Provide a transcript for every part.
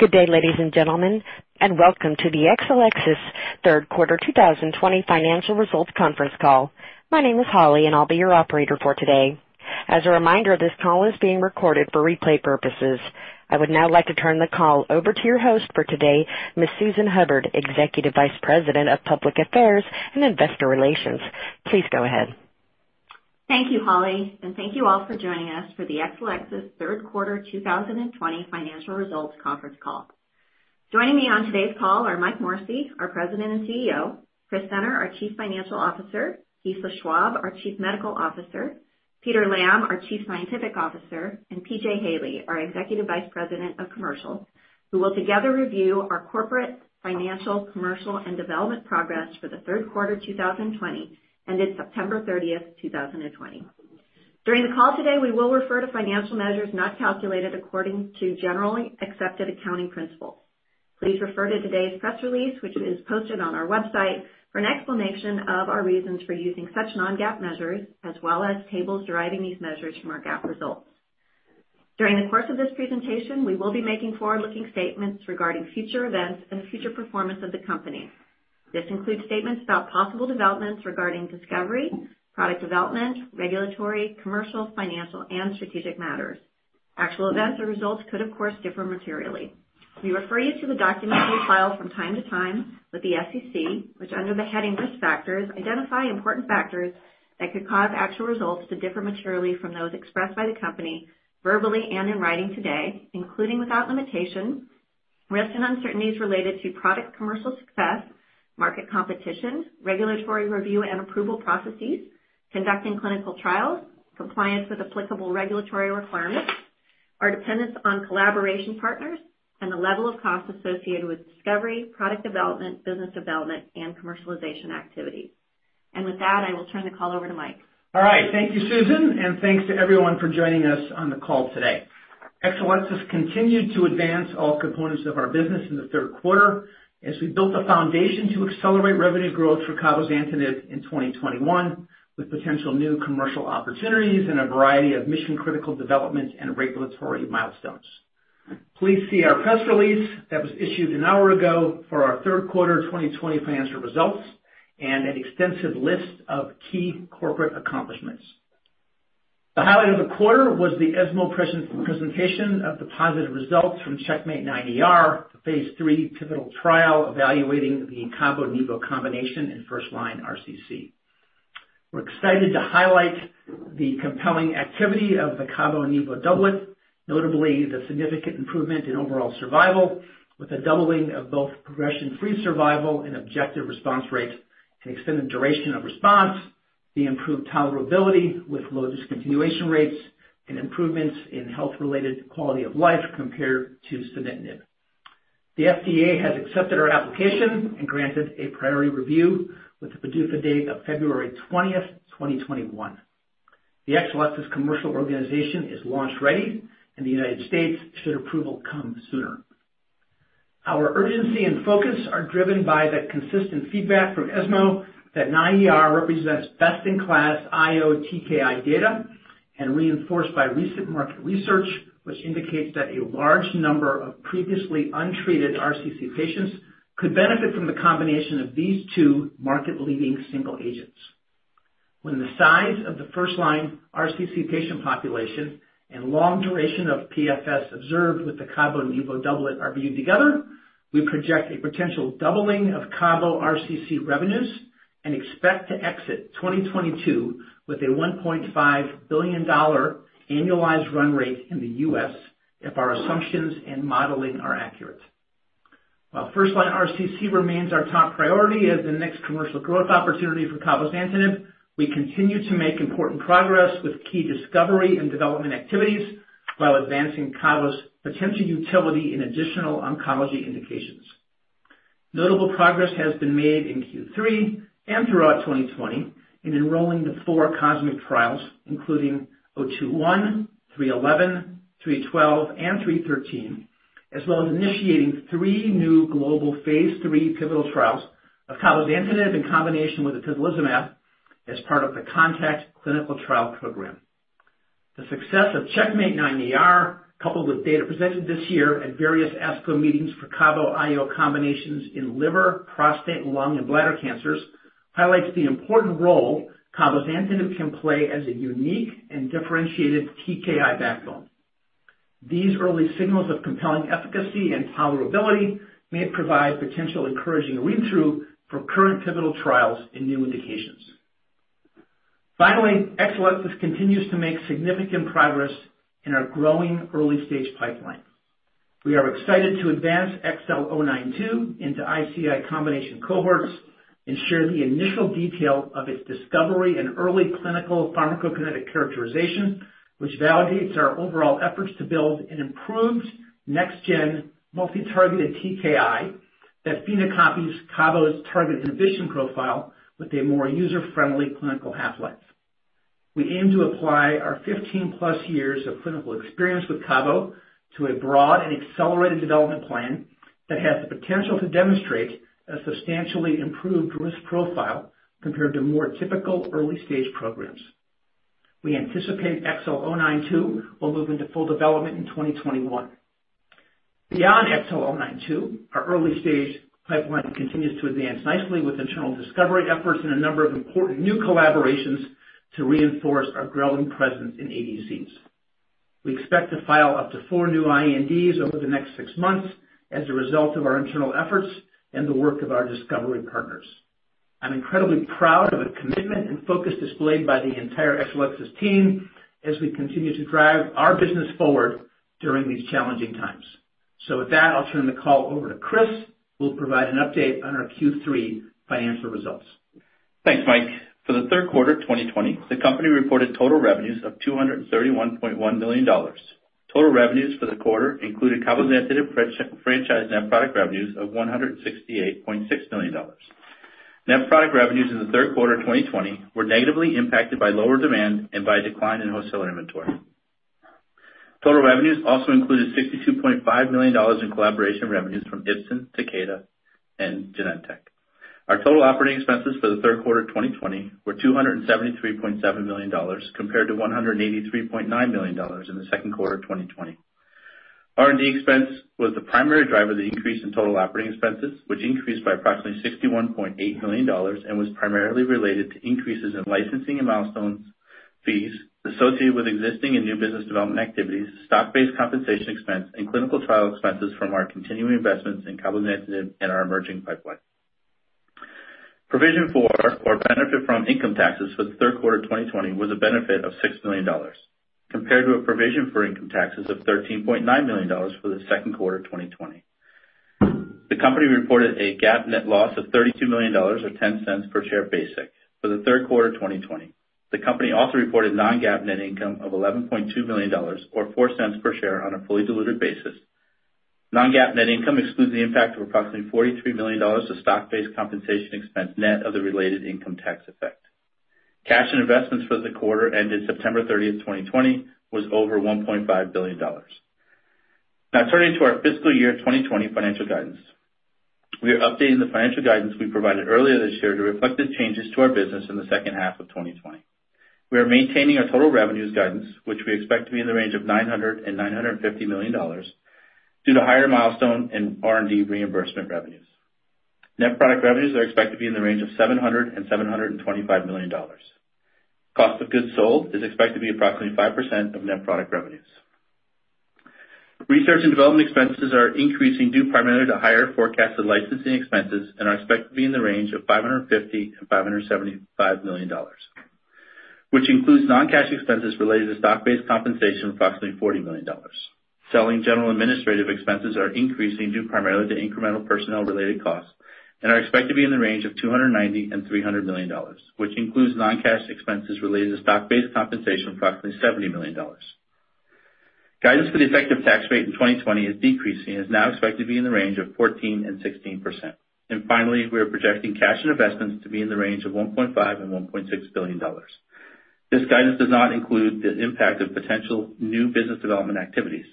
Good day, ladies and gentlemen, and welcome to the Exelixis third quarter 2020 financial results conference call. My name is Holly, and I'll be your operator for today. As a reminder, this call is being recorded for replay purposes. I would now like to turn the call over to your host for today, Ms. Susan Hubbard, Executive Vice President of Public Affairs and Investor Relations. Please go ahead. Thank you, Holly, and thank you all for joining us for the Exelixis third quarter 2020 financial results conference call. Joining me on today's call are Mike Morrissey, our President and CEO, Chris Senner, our Chief Financial Officer, Gisela Schwab, our Chief Medical Officer, Peter Lamb, our Chief Scientific Officer, and P.J. Haley, our Executive Vice President of Commercial, who will together review our corporate financial, commercial, and development progress for the third quarter 2020 ended September 30th, 2020. During the call today, we will refer to financial measures not calculated according to generally accepted accounting principles. Please refer to today's press release, which is posted on our website, for an explanation of our reasons for using such non-GAAP measures, as well as tables deriving these measures from our GAAP results. During the course of this presentation, we will be making forward-looking statements regarding future events and the future performance of the company. This includes statements about possible developments regarding discovery, product development, regulatory, commercial, financial, and strategic matters. Actual events or results could, of course, differ materially. We refer you to the documents we file from time to time with the SEC, which, under the heading Risk Factors, identify important factors that could cause actual results to differ materially from those expressed by the company verbally and in writing today, including without limitation, risks and uncertainties related to product commercial success, market competition, regulatory review and approval processes, conducting clinical trials, compliance with applicable regulatory requirements, our dependence on collaboration partners, and the level of cost associated with discovery, product development, business development, and commercialization activities, and with that, I will turn the call over to Mike. All right. Thank you, Susan, and thanks to everyone for joining us on the call today. Exelixis continued to advance all components of our business in the third quarter as we built the foundation to accelerate revenue growth for cabozantinib in 2021, with potential new commercial opportunities and a variety of mission-critical developments and regulatory milestones. Please see our press release that was issued an hour ago for our third quarter 2020 financial results and an extensive list of key corporate accomplishments. The highlight of the quarter was the ESMO presentation of the positive results from CheckMate 9ER, the Phase III pivotal trial evaluating the Cabo Nivo combination in first-line RCC. We're excited to highlight the compelling activity of the Cabo Nivo doublet, notably the significant improvement in overall survival with a doubling of both progression-free survival and objective response rate and extended duration of response, the improved tolerability with low discontinuation rates, and improvements in health-related quality of life compared to sunitinib. The FDA has accepted our application and granted a priority review with a PDUFA date of February 20th, 2021. The Exelixis commercial organization is launch ready, and the United States, should approval come sooner. Our urgency and focus are driven by the consistent feedback from ESMO that 9ER represents best-in-class IO TKI data and reinforced by recent market research, which indicates that a large number of previously untreated RCC patients could benefit from the combination of these two market-leading single agents. When the size of the first-line RCC patient population and long duration of PFS observed with the Cabo Nivo doublet are viewed together, we project a potential doubling of Cabo RCC revenues and expect to exit 2022 with a $1.5 billion annualized run rate in the U.S. if our assumptions and modeling are accurate. While first-line RCC remains our top priority as the next commercial growth opportunity for cabozantinib, we continue to make important progress with key discovery and development activities while advancing Cabo's potential utility in additional oncology indications. Notable progress has been made in Q3 and throughout 2020 in enrolling the four COSMIC trials, including 021, 311, 312, and 313, as well as initiating three new global phase III pivotal trials of cabozantinib in combination with atezolizumab as part of the CONTACT clinical trial program. The success of CheckMate 9ER, coupled with data presented this year at various ASCO meetings for Cabo IO combinations in liver, prostate, lung, and bladder cancers, highlights the important role cabozantinib can play as a unique and differentiated TKI backbone. These early signals of compelling efficacy and tolerability may provide potential encouraging read-through for current pivotal trials in new indications. Finally, Exelixis continues to make significant progress in our growing early-stage pipeline. We are excited to advance XL092 into ICI combination cohorts and share the initial detail of its discovery and early clinical pharmacokinetic characterization, which validates our overall efforts to build an improved next-gen multi-targeted TKI that phenocopies Cabo's target inhibition profile with a more user-friendly clinical half-life. We aim to apply our 15+ years of clinical experience with Cabo to a broad and accelerated development plan that has the potential to demonstrate a substantially improved risk profile compared to more typical early-stage programs. We anticipate XL092 will move into full development in 2021. Beyond XL092, our early-stage pipeline continues to advance nicely with internal discovery efforts and a number of important new collaborations to reinforce our growing presence in ADCs. We expect to file up to four new INDs over the next six months as a result of our internal efforts and the work of our discovery partners. I'm incredibly proud of the commitment and focus displayed by the entire Exelixis team as we continue to drive our business forward during these challenging times. So with that, I'll turn the call over to Chris, who will provide an update on our Q3 financial results. Thanks, Mike. For the third quarter 2020, the company reported total revenues of $231.1 million. Total revenues for the quarter included cabozantinib franchise net product revenues of $168.6 million. Net product revenues in the third quarter 2020 were negatively impacted by lower demand and by a decline in wholesale inventory. Total revenues also included $62.5 million in collaboration revenues from Ipsen, Takeda, and Genentech. Our total operating expenses for the third quarter 2020 were $273.7 million compared to $183.9 million in the second quarter 2020. R&D expense was the primary driver of the increase in total operating expenses, which increased by approximately $61.8 million and was primarily related to increases in licensing and milestone fees associated with existing and new business development activities, stock-based compensation expense, and clinical trial expenses from our continuing investments in cabozantinib and our emerging pipeline. Provision for or benefit from income taxes for the third quarter 2020 was a benefit of $6 million compared to a provision for income taxes of $13.9 million for the second quarter 2020. The company reported a GAAP net loss of $32 million or $0.10 per share basic for the third quarter 2020. The company also reported non-GAAP net income of $11.2 million or $0.04 per share on a fully diluted basis. Non-GAAP net income excludes the impact of approximately $43 million of stock-based compensation expense net of the related income tax effect. Cash and investments for the quarter ended September 30, 2020, was over $1.5 billion. Now, turning to our fiscal year 2020 financial guidance, we are updating the financial guidance we provided earlier this year to reflect the changes to our business in the second half of 2020. We are maintaining our total revenues guidance, which we expect to be in the range of $900 million-$950 million due to higher milestone and R&D reimbursement revenues. Net product revenues are expected to be in the range of $700 million-$725 million. Cost of goods sold is expected to be approximately 5% of net product revenues. Research and development expenses are increasing due primarily to higher forecasted licensing expenses and are expected to be in the range of $550 million-$575 million, which includes non-cash expenses related to stock-based compensation of approximately $40 million. Selling general administrative expenses are increasing due primarily to incremental personnel-related costs and are expected to be in the range of $290 million-$300 million, which includes non-cash expenses related to stock-based compensation of approximately $70 million. Guidance for the effective tax rate in 2020 is decreasing and is now expected to be in the range of 14%-16%. And finally, we are projecting cash and investments to be in the range of $1.5 billion-$1.6 billion. This guidance does not include the impact of potential new business development activities.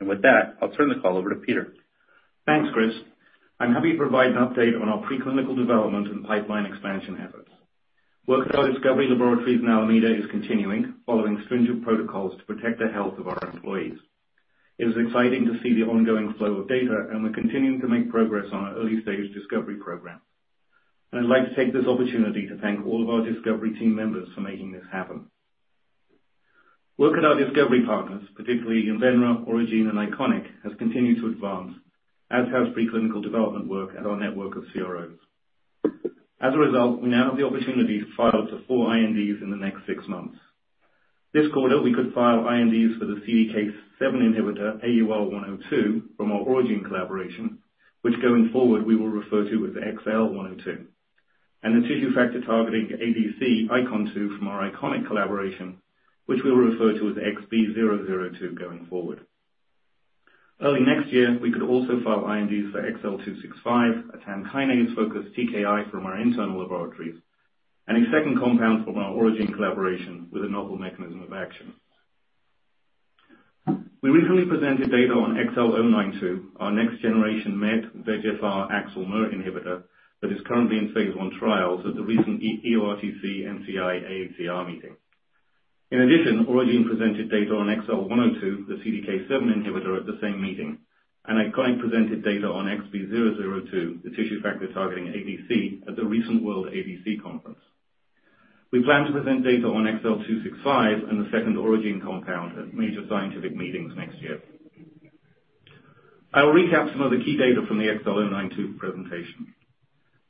And with that, I'll turn the call over to Peter. Thanks, Chris. I'm happy to provide an update on our preclinical development and pipeline expansion efforts. Work with our discovery laboratories in Alameda is continuing, following stringent protocols to protect the health of our employees. It is exciting to see the ongoing flow of data, and we're continuing to make progress on our early-stage discovery program. And I'd like to take this opportunity to thank all of our discovery team members for making this happen. Work with our discovery partners, particularly Invenra, Aurigene, and Iconic, has continued to advance as has preclinical development work at our network of CROs. As a result, we now have the opportunity to file up to four INDs in the next six months. This quarter, we could file INDs for the CDK7 inhibitor AUR-102 from our Aurigene collaboration, which going forward we will refer to as XL102, and the tissue factor targeting ADC ICON-2 from our Iconic collaboration, which we will refer to as XB002 going forward. Early next year, we could also file INDs for XL265, a TAM kinase-focused TKI from our internal laboratories, and a second compound from our Aurigene collaboration with a novel mechanism of action. We recently presented data on XL092, our next-generation MET VEGFR AXL MER inhibitor that is currently in phase I trials at the recent EORTC NCI AACR meeting. In addition, Aurigene presented data on XL102, the CDK7 inhibitor, at the same meeting, and Iconic presented data on XB002, the tissue factor targeting ADC, at the recent World ADC Conference. We plan to present data on XL265 and the second Aurigene compound at major scientific meetings next year. I'll recap some of the key data from the XL092 presentation.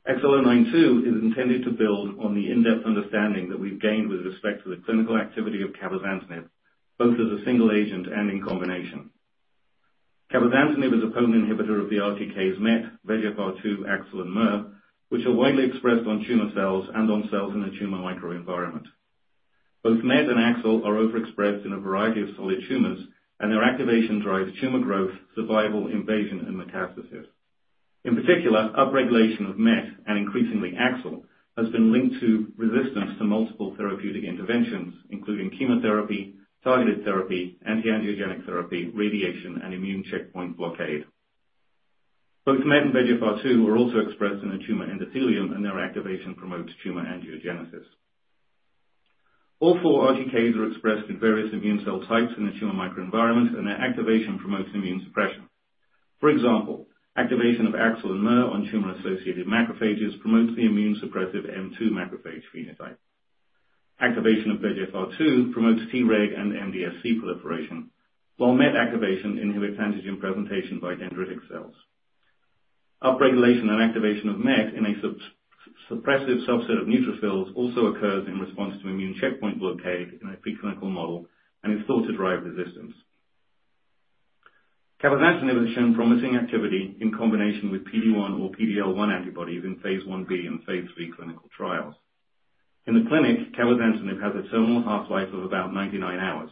XL092 is intended to build on the in-depth understanding that we've gained with respect to the clinical activity of cabozantinib, both as a single agent and in combination. cabozantinib is a potent inhibitor of the RTKs MET, VEGFR2, AXL, and MER, which are widely expressed on tumor cells and on cells in the tumor microenvironment. Both MET and AXL are overexpressed in a variety of solid tumors, and their activation drives tumor growth, survival, invasion, and metastasis. In particular, upregulation of MET and increasingly AXL has been linked to resistance to multiple therapeutic interventions, including chemotherapy, targeted therapy, antiangiogenic therapy, radiation, and immune checkpoint blockade. Both MET and VEGFR2 are also expressed in the tumor endothelium, and their activation promotes tumor angiogenesis. All four RTKs are expressed in various immune cell types in the tumor microenvironment, and their activation promotes immune suppression. For example, activation of AXL and MER on tumor-associated macrophages promotes the immune-suppressive M2 macrophage phenotype. Activation of VEGFR2 promotes Treg and MDSC proliferation, while MET activation inhibits antigen presentation by dendritic cells. Upregulation and activation of MET in a suppressive subset of neutrophils also occurs in response to immune checkpoint blockade in a preclinical model and is thought to drive resistance. Cabozantinib has shown promising activity in combination with PD-1 or PD-L1 antibodies in phase I-B and phase III clinical trials. In the clinic, cabozantinib has a terminal half-life of about 99 hours,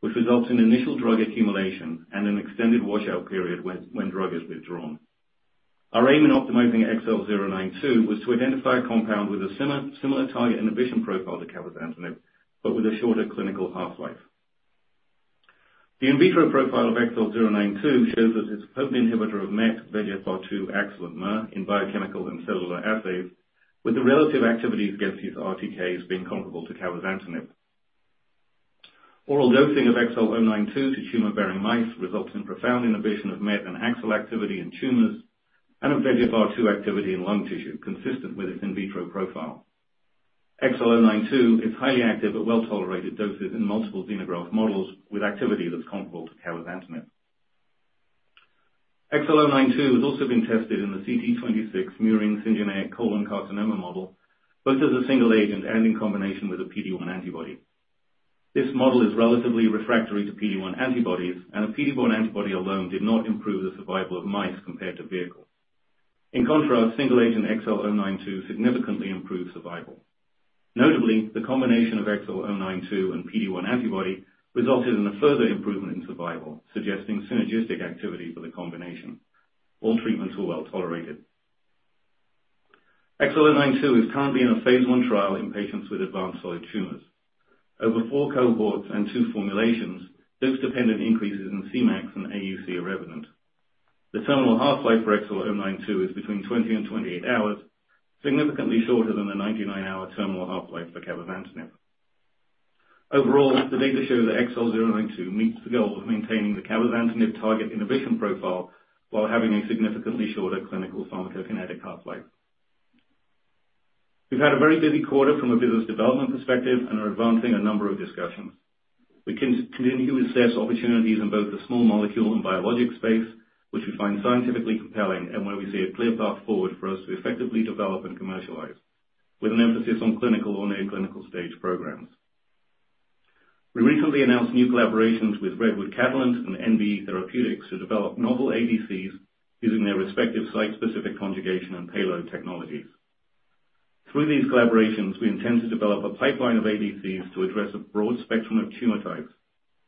which results in initial drug accumulation and an extended washout period when drug is withdrawn. Our aim in optimizing XL092 was to identify a compound with a similar target inhibition profile to cabozantinib but with a shorter clinical half-life. The in vitro profile of XL092 shows that it's a potent inhibitor of MET, VEGFR2, AXL, and MER in biochemical and cellular assays, with the relative activity against these RTKs being comparable to cabozantinib. Oral dosing of XL092 to tumor-bearing mice results in profound inhibition of MET and AXL activity in tumors and of VEGFR2 activity in lung tissue, consistent with its in vitro profile. XL092 is highly active at well-tolerated doses in multiple xenograft models with activity that's comparable to cabozantinib. XL092 has also been tested in the CT26 murine syngeneic colon carcinoma model, both as a single agent and in combination with a PD-1 antibody. This model is relatively refractory to PD-1 antibodies, and a PD-1 antibody alone did not improve the survival of mice compared to vehicles. In contrast, single agent XL092 significantly improved survival. Notably, the combination of XL092 and PD-1 antibody resulted in a further improvement in survival, suggesting synergistic activity for the combination. All treatments were well tolerated. XL092 is currently in a phase I trial in patients with advanced solid tumors. Over four cohorts and two formulations, dose-dependent increases in Cmax and AUC are evident. The terminal half-life for XL092 is between 20 and 28 hours, significantly shorter than the 99-hour terminal half-life for cabozantinib. Overall, the data show that XL092 meets the goal of maintaining the cabozantinib target inhibition profile while having a significantly shorter clinical pharmacokinetic half-life. We've had a very busy quarter from a business development perspective and are advancing a number of discussions. We continue to assess opportunities in both the small molecule and biologic space, which we find scientifically compelling and where we see a clear path forward for us to effectively develop and commercialize, with an emphasis on clinical or near-clinical stage programs. We recently announced new collaborations with Catalent and NBE Therapeutics to develop novel ADCs using their respective site-specific conjugation and payload technologies. Through these collaborations, we intend to develop a pipeline of ADCs to address a broad spectrum of tumor types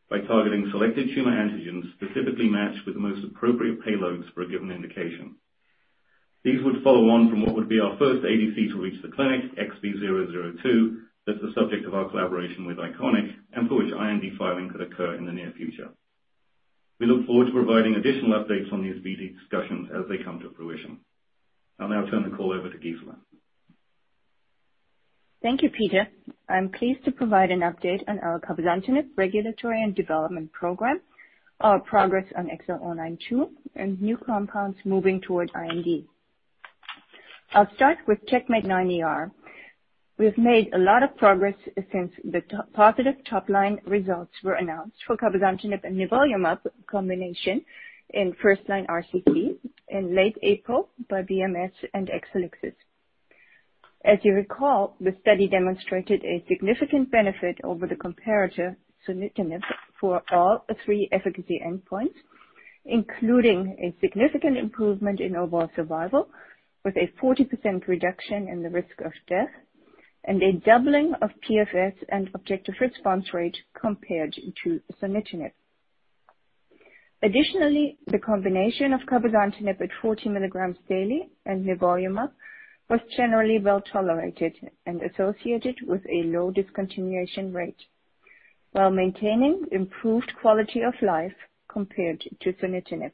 by targeting selected tumor antigens specifically matched with the most appropriate payloads for a given indication. These would follow on from what would be our first ADC to reach the clinic, XB002, that's the subject of our collaboration with Iconic and for which IND filing could occur in the near future. We look forward to providing additional updates on these BD discussions as they come to fruition. I'll now turn the call over to Gisela. Thank you, Peter. I'm pleased to provide an update on our cabozantinib regulatory and development program, our progress on XL092, and new compounds moving toward IND. I'll start with CheckMate 9ER. We've made a lot of progress since the positive top-line results were announced for cabozantinib and nivolumab combination in first-line RCC in late April by BMS and Exelixis. As you recall, the study demonstrated a significant benefit over the comparator sunitinib for all three efficacy endpoints, including a significant improvement in overall survival with a 40% reduction in the risk of death and a doubling of PFS and objective response rate compared to sunitinib. Additionally, the combination of cabozantinib at 40 mg daily and nivolumab was generally well tolerated and associated with a low discontinuation rate while maintaining improved quality of life compared to sunitinib.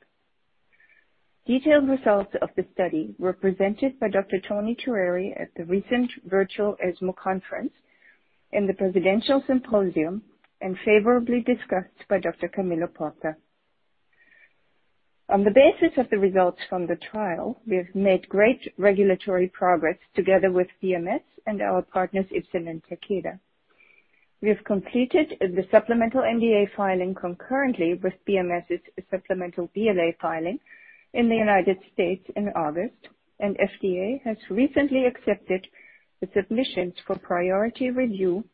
Detailed results of the study were presented by Dr. Toni Choueiri at the recent virtual ESMO conference in the presidential symposium and favorably discussed by Dr. Camillo Porta. On the basis of the results from the trial, we have made great regulatory progress together with BMS and our partners, Ipsen and Takeda. We have completed the supplemental NDA filing concurrently with BMS's supplemental BLA filing in the United States in August, and FDA has recently accepted the submissions for priority review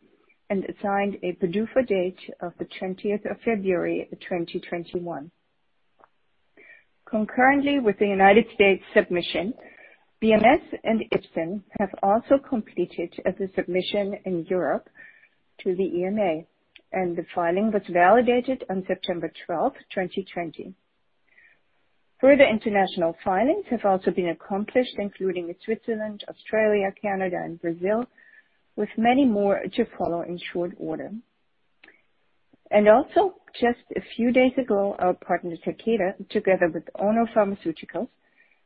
and assigned a PDUFA date of the 20th of February 2021. Concurrently with the United States submission, BMS and Ipsen have also completed the submission in Europe to the EMA, and the filing was validated on September 12, 2020. Further international filings have also been accomplished, including in Switzerland, Australia, Canada, and Brazil, with many more to follow in short order. Also, just a few days ago, our partner, Takeda, together with Ono Pharmaceutical,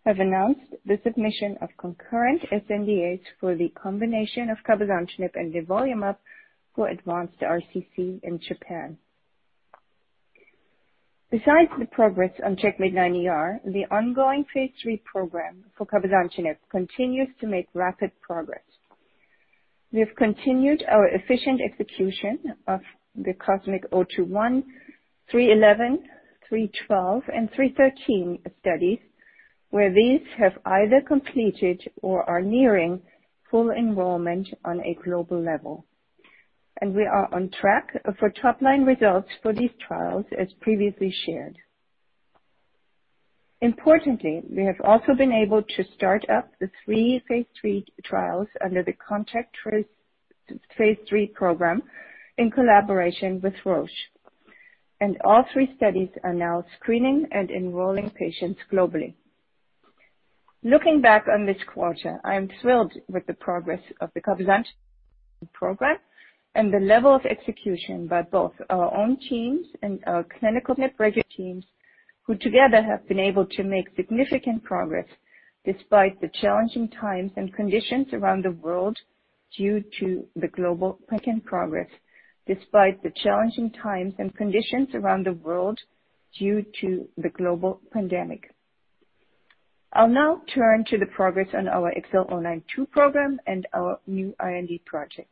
have announced the submission of concurrent sNDAs for the combination of cabozantinib and nivolumab for advanced RCC in Japan. Besides the progress on CheckMate 9ER, the ongoing phase III program for cabozantinib continues to make rapid progress. We have continued our efficient execution of the COSMIC-021, -311, -312, and -313 studies, where these have either completed or are nearing full enrollment on a global level. We are on track for top-line results for these trials, as previously shared. Importantly, we have also been able to start up the three phase III trials under the CONTACT phase III program in collaboration with Roche. All three studies are now screening and enrolling patients globally. Looking back on this quarter, I am thrilled with the progress of the cabozantinib program and the level of execution by both our own teams and our clinical teams, who together have been able to make significant progress despite the challenging times and conditions around the world due to the global pandemic. Despite the challenging times and conditions around the world due to the global pandemic, I'll now turn to the progress on our XL092 program and our new IND projects.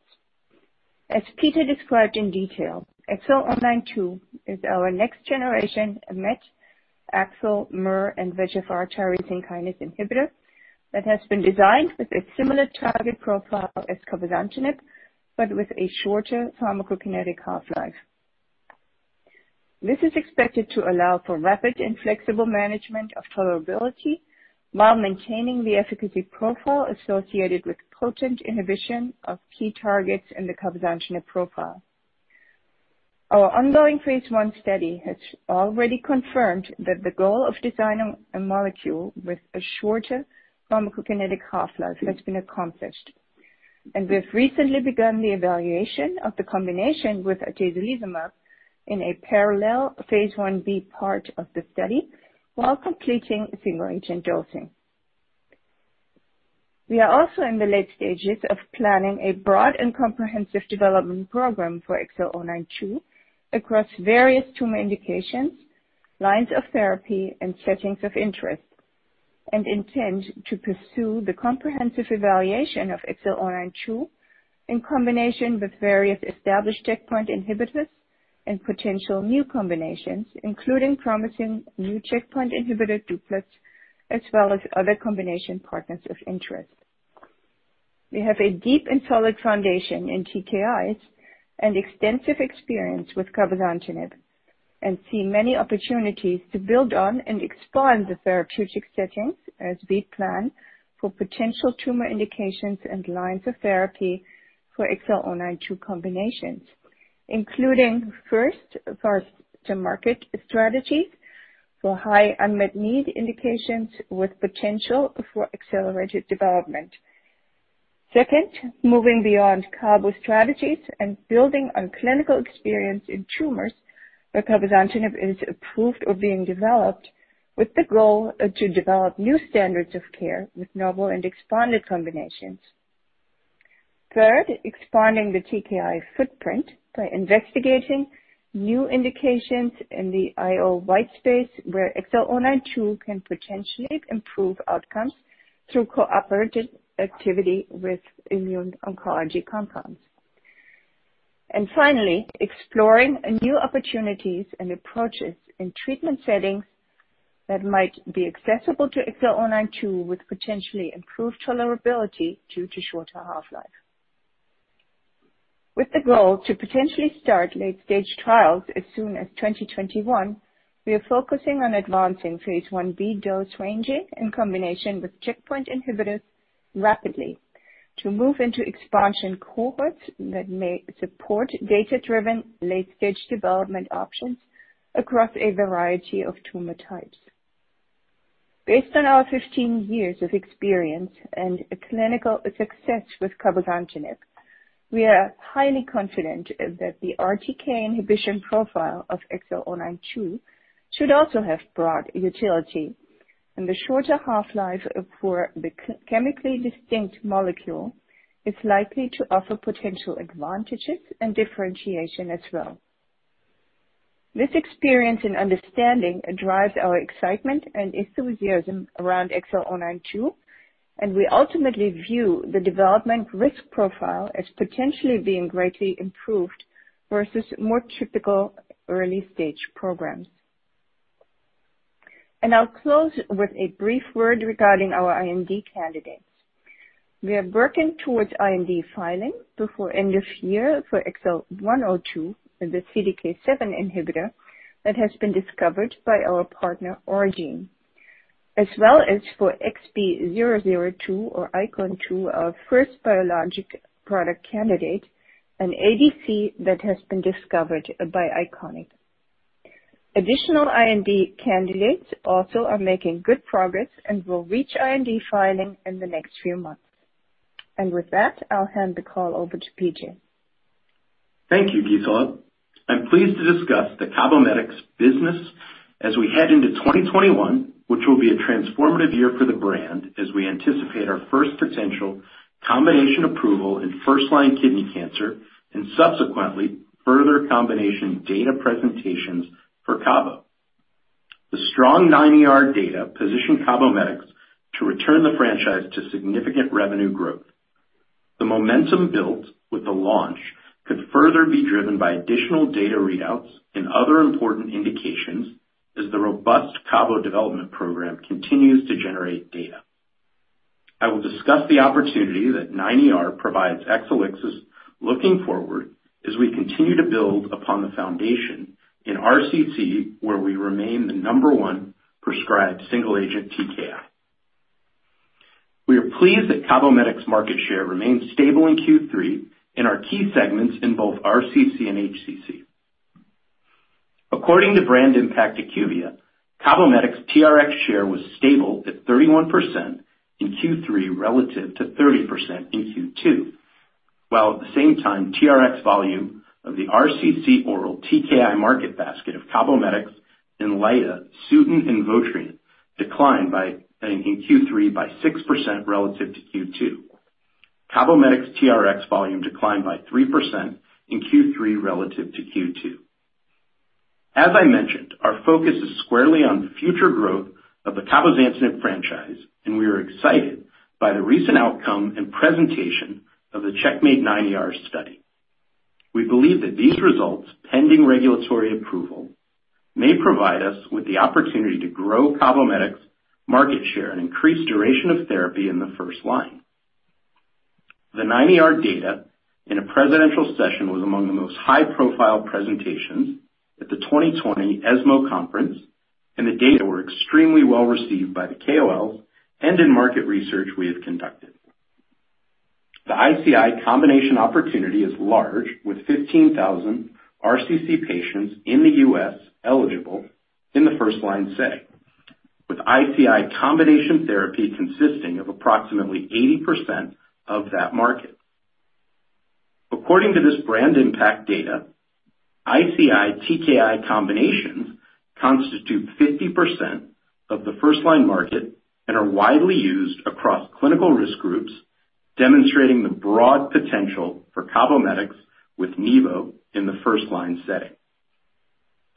As Peter described in detail, XL092 is our next-generation MET, AXL, MER, and VEGFR targeting kinase inhibitor that has been designed with a similar target profile as cabozantinib but with a shorter pharmacokinetic half-life. This is expected to allow for rapid and flexible management of tolerability while maintaining the efficacy profile associated with potent inhibition of key targets in the cabozantinib profile. Our ongoing phase I study has already confirmed that the goal of designing a molecule with a shorter pharmacokinetic half-life has been accomplished, and we have recently begun the evaluation of the combination with atezolizumab in a parallel phase I-B part of the study while completing a single agent dosing. We are also in the late stages of planning a broad and comprehensive development program for XL092 across various tumor indications, lines of therapy, and settings of interest, and intend to pursue the comprehensive evaluation of XL092 in combination with various established checkpoint inhibitors and potential new combinations, including promising new checkpoint inhibitor doublets, as well as other combination partners of interest. We have a deep and solid foundation in TKIs and extensive experience with cabozantinib and see many opportunities to build on and expand the therapeutic settings as we plan for potential tumor indications and lines of therapy for XL092 combinations, including first-to-market strategies for high unmet need indications with potential for accelerated development. Second, moving beyond Cabo strategies and building on clinical experience in tumors where cabozantinib is approved or being developed with the goal to develop new standards of care with novel and expanded combinations. Third, expanding the TKI footprint by investigating new indications in the IO whitespace where XL092 can potentially improve outcomes through cooperative activity with immune oncology compounds. And finally, exploring new opportunities and approaches in treatment settings that might be accessible to XL092 with potentially improved tolerability due to shorter half-life. With the goal to potentially start late-stage trials as soon as 2021, we are focusing on advancing phase I-B dose ranging in combination with checkpoint inhibitors rapidly to move into expansion cohorts that may support data-driven late-stage development options across a variety of tumor types. Based on our 15 years of experience and clinical success with cabozantinib, we are highly confident that the RTK inhibition profile of XL092 should also have broad utility, and the shorter half-life for the chemically distinct molecule is likely to offer potential advantages and differentiation as well. This experience and understanding drives our excitement and enthusiasm around XL092, and we ultimately view the development risk profile as potentially being greatly improved versus more typical early-stage programs. And I'll close with a brief word regarding our IND candidates. We are working towards IND filing before end of year for XL102, the CDK7 inhibitor that has been discovered by our partner, Aurigene, as well as for XB002 or ICON-2, our first biologic product candidate, an ADC that has been discovered by Iconic. Additional IND candidates also are making good progress and will reach IND filing in the next few months. And with that, I'll hand the call over to Peter. Thank you, Gisela. I'm pleased to discuss the Cabometyx business as we head into 2021, which will be a transformative year for the brand as we anticipate our first potential combination approval in first-line kidney cancer and subsequently further combination data presentations for Cabometyx. The strong 9ER data position Cabometyx to return the franchise to significant revenue growth. The momentum built with the launch could further be driven by additional data readouts and other important indications as the robust Cabometyx development program continues to generate data. I will discuss the opportunity that 9ER provides Exelixis looking forward as we continue to build upon the foundation in RCC where we remain the number one prescribed single-agent TKI. We are pleased that Cabometyx's market share remains stable in Q3 in our key segments in both RCC and HCC. According to BrandImpact IQVIA, Cabometyx's TRx share was stable at 31% in Q3 relative to 30% in Q2, while at the same time, TRx volume of the RCC oral TKI market basket of Cabometyx and Inlyta, Sutent, and Votrient declined in Q3 by 6% relative to Q2. Cabometyx's TRx volume declined by 3% in Q3 relative to Q2. As I mentioned, our focus is squarely on future growth of the cabozantinib franchise, and we are excited by the recent outcome and presentation of the CheckMate 9ER study. We believe that these results, pending regulatory approval, may provide us with the opportunity to grow Cabometyx's market share and increase duration of therapy in the first line. The 9ER data in a presidential session was among the most high-profile presentations at the 2020 ESMO conference, and the data were extremely well received by the KOLs and in market research we have conducted. The ICI combination opportunity is large, with 15,000 RCC patients in the U.S. eligible in the first-line setting, with ICI combination therapy consisting of approximately 80% of that market. According to this BrandImpact data, ICI TKI combinations constitute 50% of the first-line market and are widely used across clinical risk groups, demonstrating the broad potential for Cabometyx with Nivo in the first-line setting.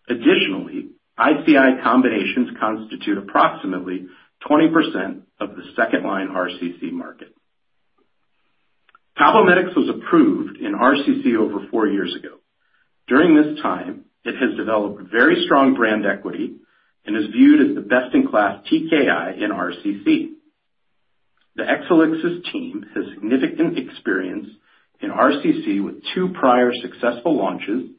Additionally, ICI combinations constitute approximately 20% of the second-line RCC market. Cabometyx was approved in RCC over four years ago. During this time, it has developed very strong brand equity and is viewed as the best-in-class TKI in RCC. The Exelixis team has significant experience in RCC with two prior successful launches,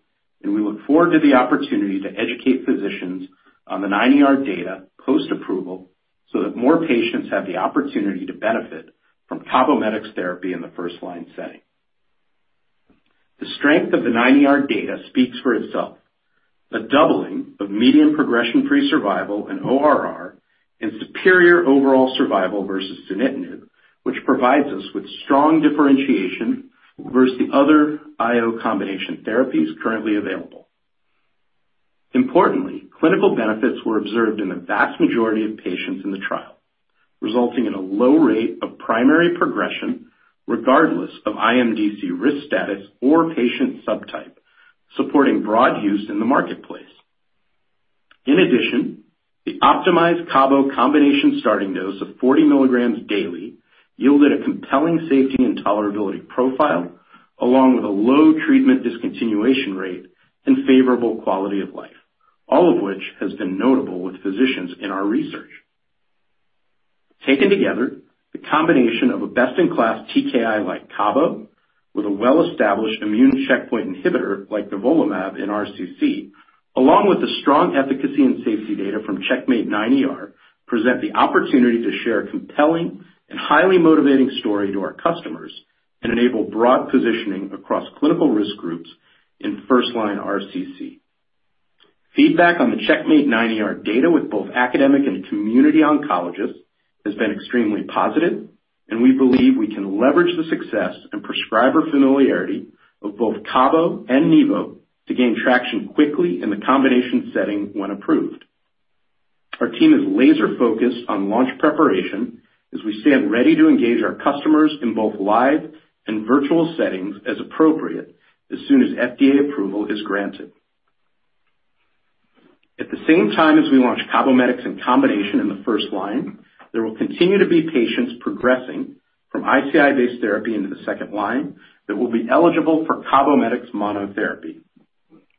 and we look forward to the opportunity to educate physicians on the 9ER data post-approval so that more patients have the opportunity to benefit from Cabometyx therapy in the first-line setting. The strength of the 9ER data speaks for itself. The doubling of median progression-free survival and ORR and superior overall survival versus sunitinib, which provides us with strong differentiation versus the other IO combination therapies currently available. Importantly, clinical benefits were observed in the vast majority of patients in the trial, resulting in a low rate of primary progression regardless of IMDC risk status or patient subtype, supporting broad use in the marketplace. In addition, the optimized Cabo combination starting dose of 40 mg daily yielded a compelling safety and tolerability profile, along with a low treatment discontinuation rate and favorable quality of life, all of which has been notable with physicians in our research. Taken together, the combination of a best-in-class TKI like Cabo with a well-established immune checkpoint inhibitor like nivolumab in RCC, along with the strong efficacy and safety data from CheckMate 9ER, present the opportunity to share a compelling and highly motivating story to our customers and enable broad positioning across clinical risk groups in first-line RCC. Feedback on the CheckMate 9ER data with both academic and community oncologists has been extremely positive, and we believe we can leverage the success and prescriber familiarity of both Cabo and Nivo to gain traction quickly in the combination setting when approved. Our team is laser-focused on launch preparation as we stand ready to engage our customers in both live and virtual settings as appropriate as soon as FDA approval is granted. At the same time as we launch Cabometyx in combination in the first line, there will continue to be patients progressing from ICI-based therapy into the second line that will be eligible for Cabometyx monotherapy.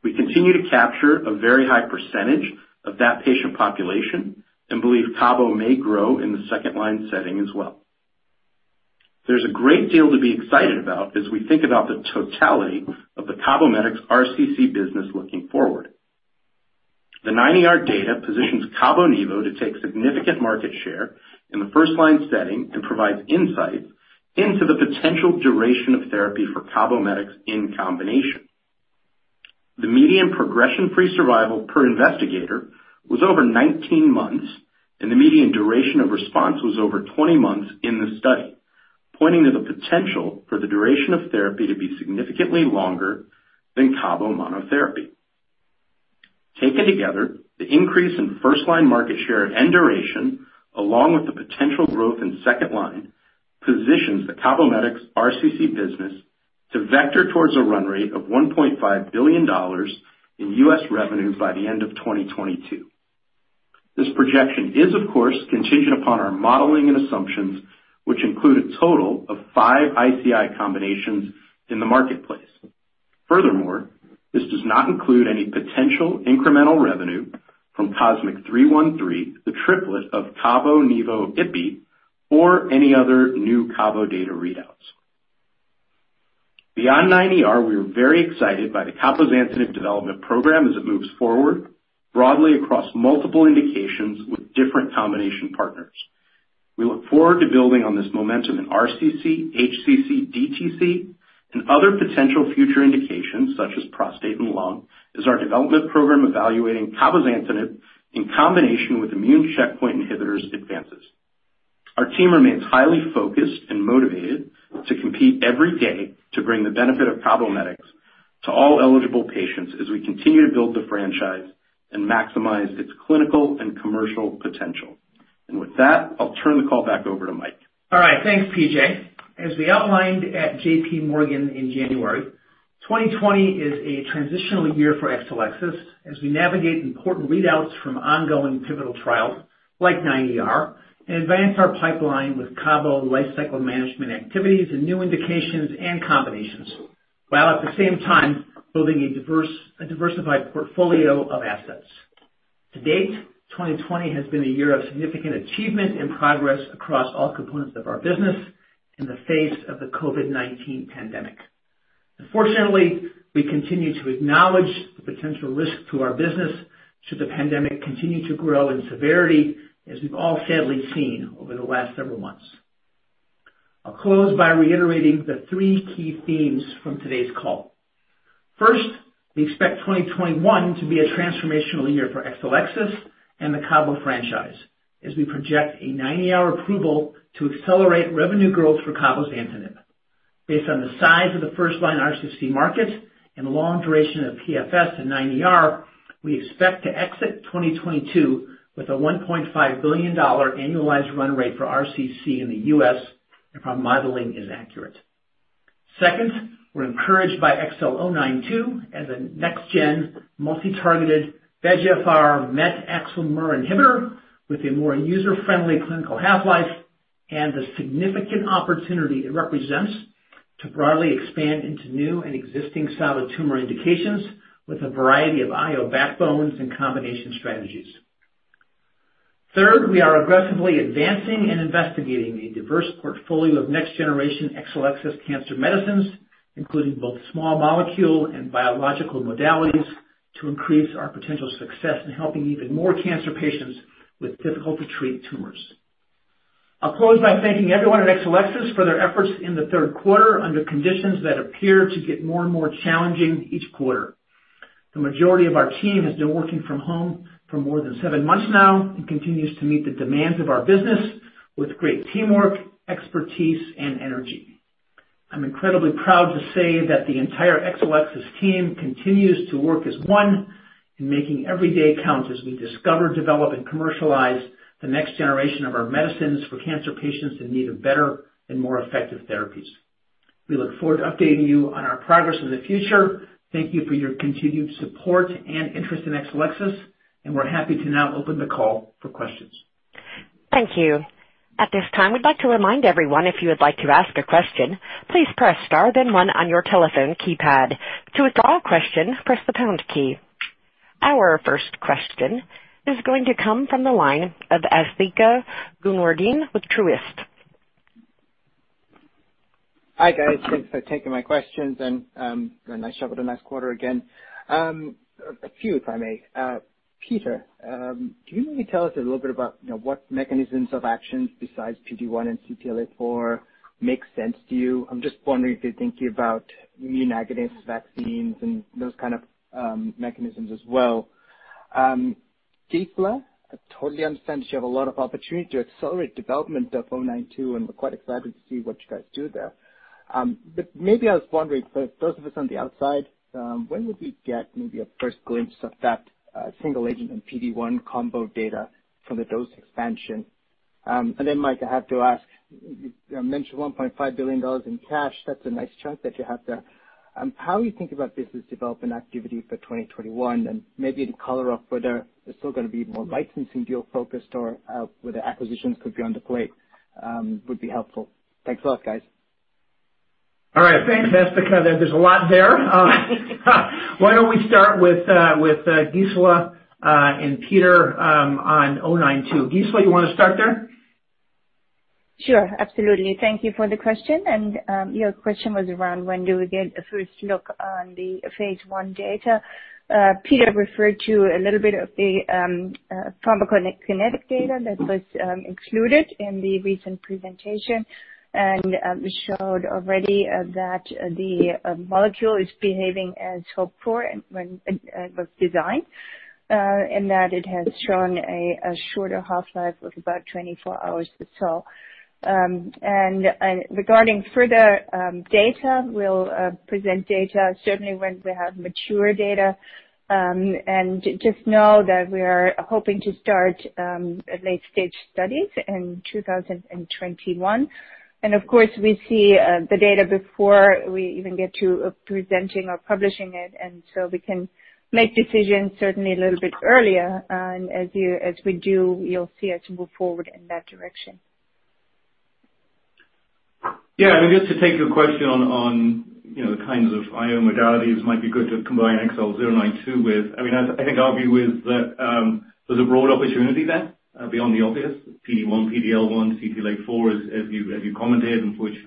We continue to capture a very high percentage of that patient population and believe Cabo may grow in the second-line setting as well. There's a great deal to be excited about as we think about the totality of the Cabometyx RCC business looking forward. The 9ER data positions Cabo Nivo to take significant market share in the first-line setting and provides insights into the potential duration of therapy for Cabometyx in combination. The median progression-free survival per investigator was over 19 months, and the median duration of response was over 20 months in the study, pointing to the potential for the duration of therapy to be significantly longer than Cabo monotherapy. Taken together, the increase in first-line market share and duration, along with the potential growth in second line, positions the Cabometyx RCC business to vector towards a run rate of $1.5 billion in U.S. revenue by the end of 2022. This projection is, of course, contingent upon our modeling and assumptions, which include a total of five ICI combinations in the marketplace. Furthermore, this does not include any potential incremental revenue from COSMIC-313, the triplet of Cabo, Nivo, Ipi, or any other new Cabo data readouts. Beyond 9ER, we are very excited by the cabozantinib development program as it moves forward broadly across multiple indications with different combination partners. We look forward to building on this momentum in RCC, HCC, DTC, and other potential future indications such as prostate and lung as our development program evaluating cabozantinib in combination with immune checkpoint inhibitors advances. Our team remains highly focused and motivated to compete every day to bring the benefit of Cabometyx to all eligible patients as we continue to build the franchise and maximize its clinical and commercial potential. And with that, I'll turn the call back over to Mike. All right. Thanks, P.J. As we outlined at JPMorgan in January, 2020 is a transitional year for Exelixis as we navigate important readouts from ongoing pivotal trials like 9ER and advance our pipeline with Cabo life cycle management activities and new indications and combinations, while at the same time building a diversified portfolio of assets. To date, 2020 has been a year of significant achievement and progress across all components of our business in the face of the COVID-19 pandemic. Unfortunately, we continue to acknowledge the potential risk to our business should the pandemic continue to grow in severity, as we've all sadly seen over the last several months. I'll close by reiterating the three key themes from today's call. First, we expect 2021 to be a transformational year for Exelixis and the Cabo franchise as we project a 9ER approval to accelerate revenue growth for cabozantinib. Based on the size of the first-line RCC market and the long duration of PFS in 9ER, we expect to exit 2022 with a $1.5 billion annualized run rate for RCC in the U.S. if our modeling is accurate. Second, we're encouraged by XL092 as a next-gen multi-targeted VEGFR, MET, AXL, MER inhibitor with a more user-friendly clinical half-life and the significant opportunity it represents to broadly expand into new and existing solid tumor indications with a variety of IO backbones and combination strategies. Third, we are aggressively advancing and investigating a diverse portfolio of next-generation Exelixis cancer medicines, including both small molecule and biological modalities, to increase our potential success in helping even more cancer patients with difficult-to-treat tumors. I'll close by thanking everyone at Exelixis for their efforts in the third quarter under conditions that appear to get more and more challenging each quarter. The majority of our team has been working from home for more than seven months now and continues to meet the demands of our business with great teamwork, expertise, and energy. I'm incredibly proud to say that the entire Exelixis team continues to work as one in making every day count as we discover, develop, and commercialize the next generation of our medicines for cancer patients in need of better and more effective therapies. We look forward to updating you on our progress in the future. Thank you for your continued support and interest in Exelixis, and we're happy to now open the call for questions. Thank you. At this time, we'd like to remind everyone if you would like to ask a question, please press star, then one on your telephone keypad. To withdraw a question, press the pound key. Our first question is going to come from the line of Asthika Goonewardene with Truist Securities. Hi, guys. Thanks for taking my questions, and nice job with the next quarter again. A few, if I may. Peter, can you maybe tell us a little bit about what mechanisms of action besides PD-1 and CTLA-4 make sense to you? I'm just wondering if you're thinking about immunoadjuvant vaccines and those kind of mechanisms as well. Gisela, I totally understand that you have a lot of opportunity to accelerate development of XL092, and we're quite excited to see what you guys do there. But maybe I was wondering, for those of us on the outside, when would we get maybe a first glimpse of that single-agent and PD-1 combo data for the dose expansion? And then, Mike, I have to ask, you mentioned $1.5 billion in cash. That's a nice chunk that you have there. How do you think about business development activity for 2021?Maybe to color off whether it's still going to be more licensing deal-focused or whether acquisitions could be on the plate would be helpful. Thanks a lot, guys. All right. Thanks, Asthika. There's a lot there. Why don't we start with Gisela and Peter on 092? Gisela, you want to start there? Sure. Absolutely. Thank you for the question, and your question was around when do we get a first look on the phase I data. Peter referred to a little bit of the pharmacokinetic data that was included in the recent presentation and showed already that the molecule is behaving as hoped for when it was designed and that it has shown a shorter half-life of about 24 hours or so, and regarding further data, we'll present data certainly when we have mature data and just know that we are hoping to start late-stage studies in 2021, and of course, we see the data before we even get to presenting or publishing it, and so we can make decisions certainly a little bit earlier, and as we do, you'll see us move forward in that direction. Yeah. I mean, just to take your question on the kinds of IO modalities, it might be good to combine XL092 with. I mean, I think I'll agree with that there's a broad opportunity there beyond the obvious PD-1, PD-L1, CTLA-4, as you commented, and for which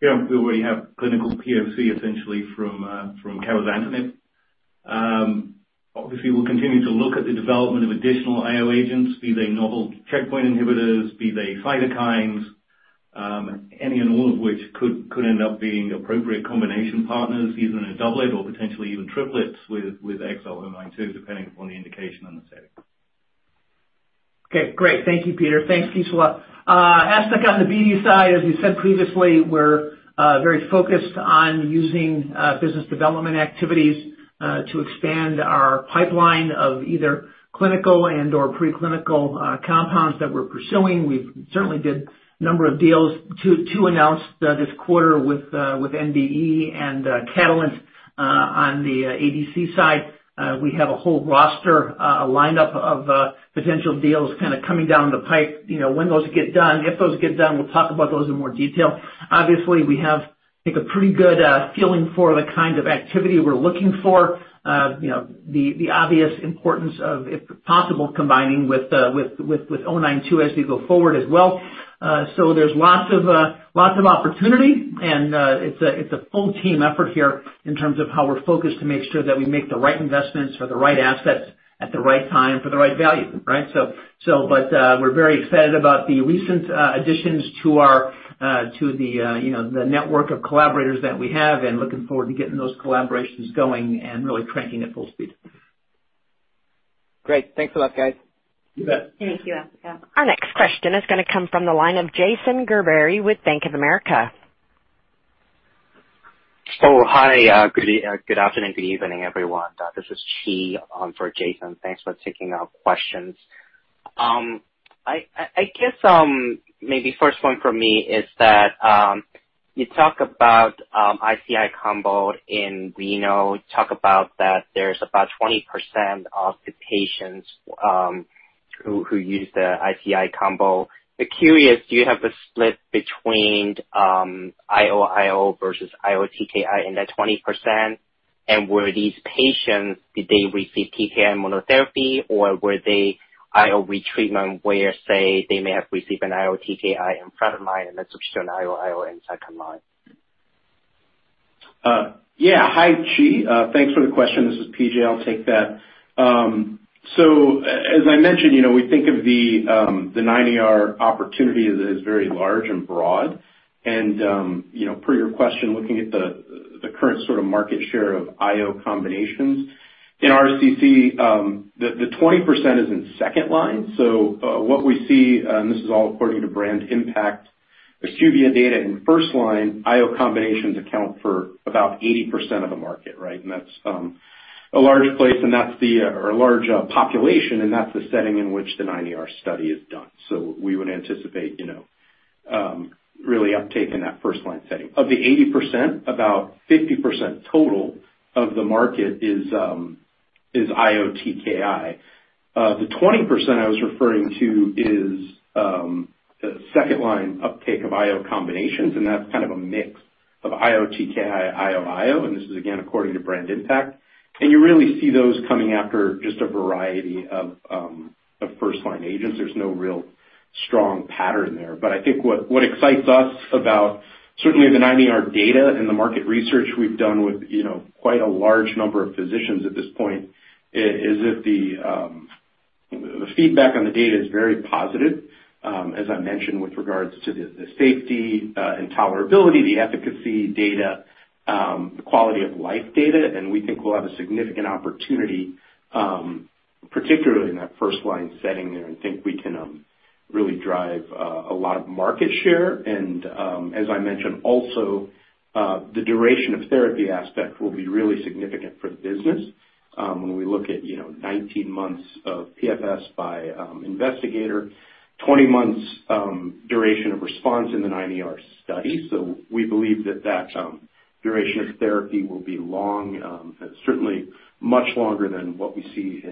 we already have clinical PFS essentially from cabozantinib. Obviously, we'll continue to look at the development of additional IO agents, be they novel checkpoint inhibitors, be they cytokines, any and all of which could end up being appropriate combination partners, either in a doublet or potentially even triplets with XL092, depending upon the indication and the setting. Okay. Great. Thank you, Peter. Thanks, Gisela. Asthika, on the BD side, as you said previously, we're very focused on using business development activities to expand our pipeline of either clinical and/or preclinical compounds that we're pursuing. We certainly did a number of deals to announce this quarter with NBE and Catalent on the ADC side. We have a whole roster, a lineup of potential deals kind of coming down the pipe. When those get done, if those get done, we'll talk about those in more detail. Obviously, we have a pretty good feeling for the kind of activity we're looking for, the obvious importance of, if possible, combining with 092 as we go forward as well. So there's lots of opportunity, and it's a full-team effort here in terms of how we're focused to make sure that we make the right investments for the right assets at the right time for the right value, right? But we're very excited about the recent additions to the network of collaborators that we have and looking forward to getting those collaborations going and really cranking at full speed. Great. Thanks a lot, guys. You bet. Thank you, Asthika. Our next question is going to come from the line of Jason Gerberry with Bank of America. So, hi. Good afternoon, good evening, everyone. This is Chi for Jason. Thanks for taking our questions. I guess maybe first one for me is that you talk about ICI combo in renal, talk about that there's about 20% of the patients who use the ICI combo. Curious, do you have a split between IO-IO versus IOTKI in that 20%? And were these patients, did they receive TKI monotherapy, or were they IO retreatment where, say, they may have received an IOTKI in frontline and then switched to an IO-IO in second-line? Yeah. Hi, Chi. Thanks for the question. This is P.J. I'll take that. So as I mentioned, we think of the 9ER opportunity as very large and broad. Per your question, looking at the current sort of market share of IO combinations in RCC, the 20% is in second line. So what we see, and this is all according to BrandImpact, the IQVIA data in first line, IO combinations account for about 80% of the market, right? And that's a large place, and that's the or a large population, and that's the setting in which the 9ER study is done. So we would anticipate really uptake in that first line setting. Of the 80%, about 50% total of the market is IOTKI. The 20% I was referring to is the second line uptake of IO combinations, and that's kind of a mix of IOTKI, IO-IO, and this is again according to BrandImpact. And you really see those coming after just a variety of first-line agents. There's no real strong pattern there. But I think what excites us about certainly the 9ER data and the market research we've done with quite a large number of physicians at this point is that the feedback on the data is very positive, as I mentioned, with regards to the safety and tolerability, the efficacy data, the quality of life data. And we think we'll have a significant opportunity, particularly in that first line setting there, and think we can really drive a lot of market share. And as I mentioned, also, the duration of therapy aspect will be really significant for the business when we look at 19 months of PFS by investigator, 20 months' duration of response in the 9ER study. So we believe that that duration of therapy will be long, certainly much longer than what we see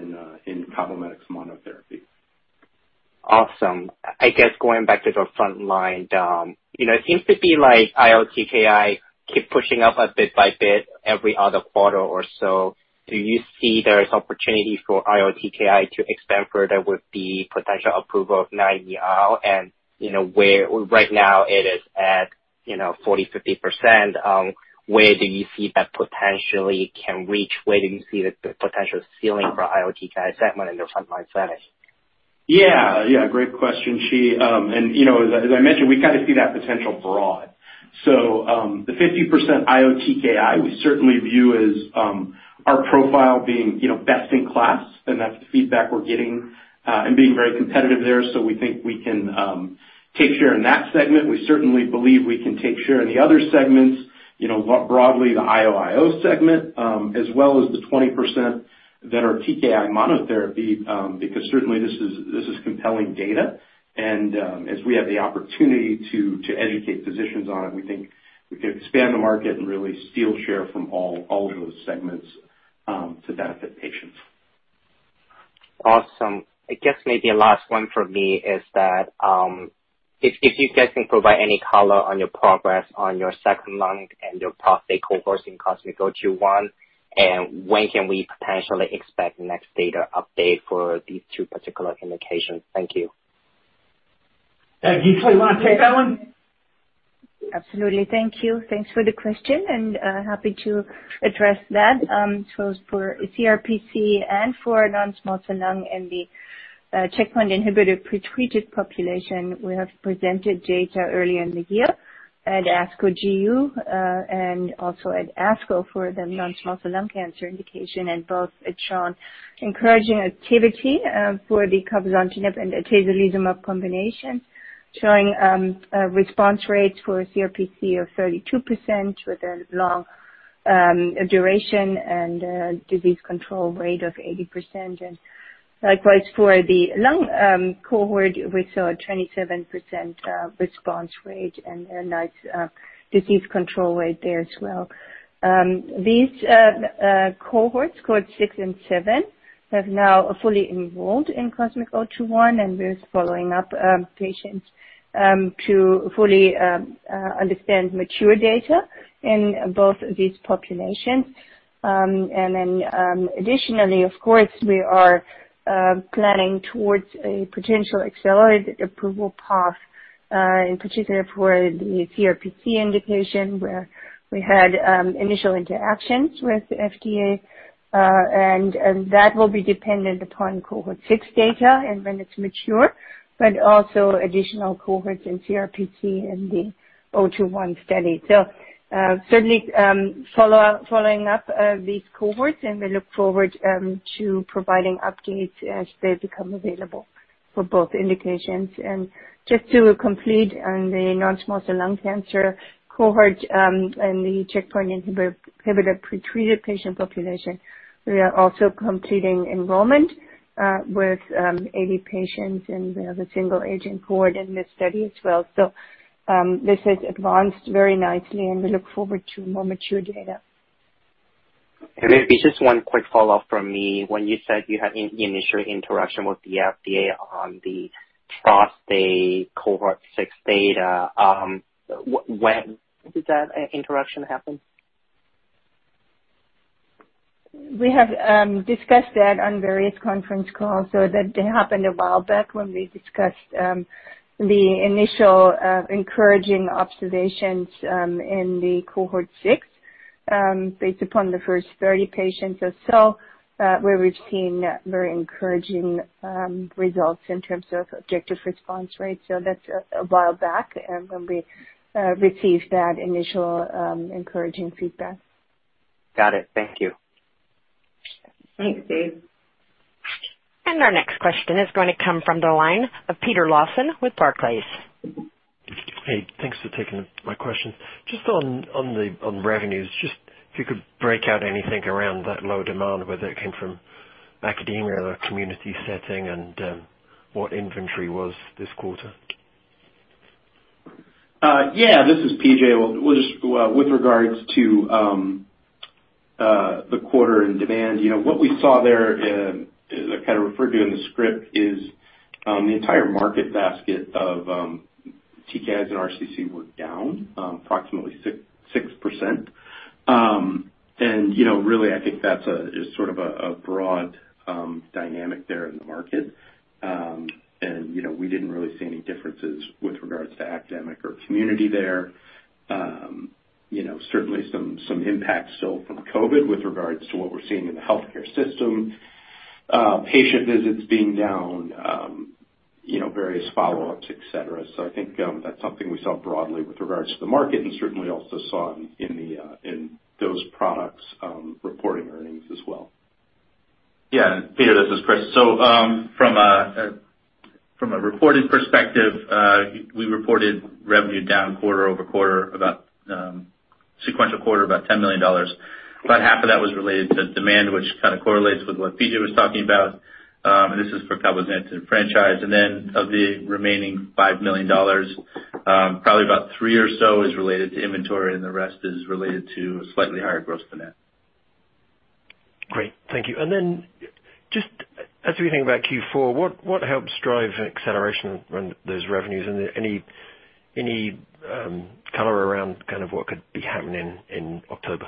in Cabometyx monotherapy. Awesome. I guess going back to the front line, it seems to be like IO/TKI keep pushing up a bit by bit every other quarter or so. Do you see there's opportunity for IO/TKI to expand further with the potential approval of 9ER? And right now, it is at 40%-50%. Where do you see that potentially can reach? Where do you see the potential ceiling for IO/TKI segment in the front line setting? Yeah. Yeah. Great question, Chi. And as I mentioned, we kind of see that potential broadly. So the 50% IOTKI, we certainly view as our profile being best in class, and that's the feedback we're getting, and being very competitive there. So we think we can take share in that segment. We certainly believe we can take share in the other segments, broadly the IO-IO segment, as well as the 20% that are TKI monotherapy because certainly this is compelling data. And if we have the opportunity to educate physicians on it, we think we can expand the market and really steal share from all of those segments to benefit patients. Awesome. I guess maybe a last one for me is that if you guys can provide any color on your progress on your second line and your prostate cohorts in COSMIC-021, and when can we potentially expect the next data update for these two particular indications? Thank you. Gisela, you want to take that one? Absolutely. Thank you. Thanks for the question, and happy to address that. So for CRPC and for non-small cell lung in the checkpoint inhibitor pretreated population, we have presented data earlier in the year at ASCO GU and also at ASCO for the non-small cell lung cancer indication. And both showed encouraging activity for the cabozantinib and atezolizumab combination, showing response rates for CRPC of 32% with a long duration and disease control rate of 80%. And likewise, for the lung cohort, we saw a 27% response rate and a nice disease control rate there as well. These cohorts, cohorts six and seven, have now fully enrolled in COSMIC-021, and we're following up patients to fully understand mature data in both of these populations. Then additionally, of course, we are planning towards a potential accelerated approval path, in particular for the CRPC indication, where we had initial interactions with FDA. That will be dependent upon cohort six data and when it's mature, but also additional cohorts in CRPC in the 021 study. Certainly following up these cohorts, and we look forward to providing updates as they become available for both indications. Just to complete on the non-small cell lung cancer cohort and the checkpoint inhibitor pretreated patient population, we are also completing enrollment with 80 patients, and we have a single-agent cohort in this study as well. This has advanced very nicely, and we look forward to more mature data. And maybe just one quick follow-up from me. When you said you had the initial interaction with the FDA on the prostate cohort 6 data, when did that interaction happen? We have discussed that on various conference calls. So that happened a while back when we discussed the initial encouraging observations in the cohort six based upon the first 30 patients or so, where we've seen very encouraging results in terms of objective response rate. So that's a while back when we received that initial encouraging feedback. Got it. Thank you. Thanks, Chi. And our next question is going to come from the line of Peter Lawson with Barclays. Hey, thanks for taking my question. Just on revenues, just if you could break out anything around that low demand, whether it came from academia or community setting and what inventory was this quarter? Yeah. This is P.J. Well, just with regards to the quarter and demand, what we saw there, as I kind of referred to in the script, is the entire market basket of TKIs in RCC were down approximately 6%. And really, I think that's sort of a broad dynamic there in the market. And we didn't really see any differences with regards to academic or community there. Certainly some impact still from COVID with regards to what we're seeing in the healthcare system, patient visits being down, various follow-ups, etc. So I think that's something we saw broadly with regards to the market and certainly also saw in those products reporting earnings as well. Yeah. And Peter, this is Chris. So from a reported perspective, we reported revenue down quarter-over-quarter, about sequential quarter, about $10 million. About half of that was related to demand, which kind of correlates with what P.J. was talking about. And this is for cabozantinib franchise. And then of the remaining $5 million, probably about three or so is related to inventory, and the rest is related to slightly higher growth than that. Great. Thank you. And then just as we think about Q4, what helps drive acceleration on those revenues? And any color around kind of what could be happening in October?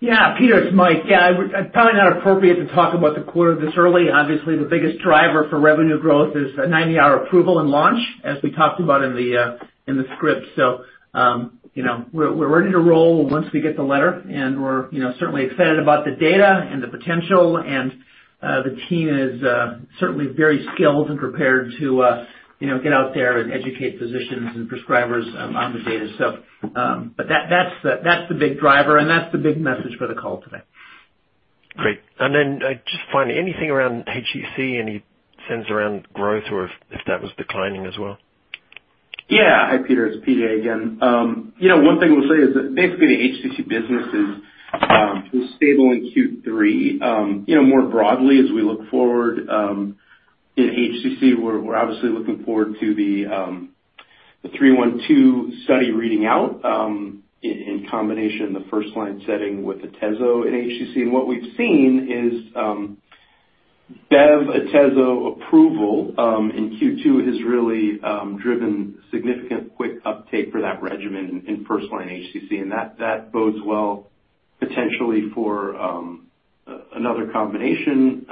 Yeah. Peter, it's Mike. Yeah. It's probably not appropriate to talk about the quarter this early. Obviously, the biggest driver for revenue growth is an NDA approval and launch, as we talked about in the script. So we're ready to roll once we get the letter, and we're certainly excited about the data and the potential, and the team is certainly very skilled and prepared to get out there and educate physicians and prescribers on the data. But that's the big driver, and that's the big message for the call today. Great. And then just finally, anything around HCC, any sense around growth or if that was declining as well? Yeah. Hi, Peter. It's P.J. again. One thing we'll say is that basically the HCC business is stable in Q3. More broadly, as we look forward in HCC, we're obviously looking forward to the 312 study reading out in combination in the first line setting with Atezo in HCC. And what we've seen is Bev Atezo approval in Q2 has really driven significant quick uptake for that regimen in first line HCC. And that bodes well potentially for another combination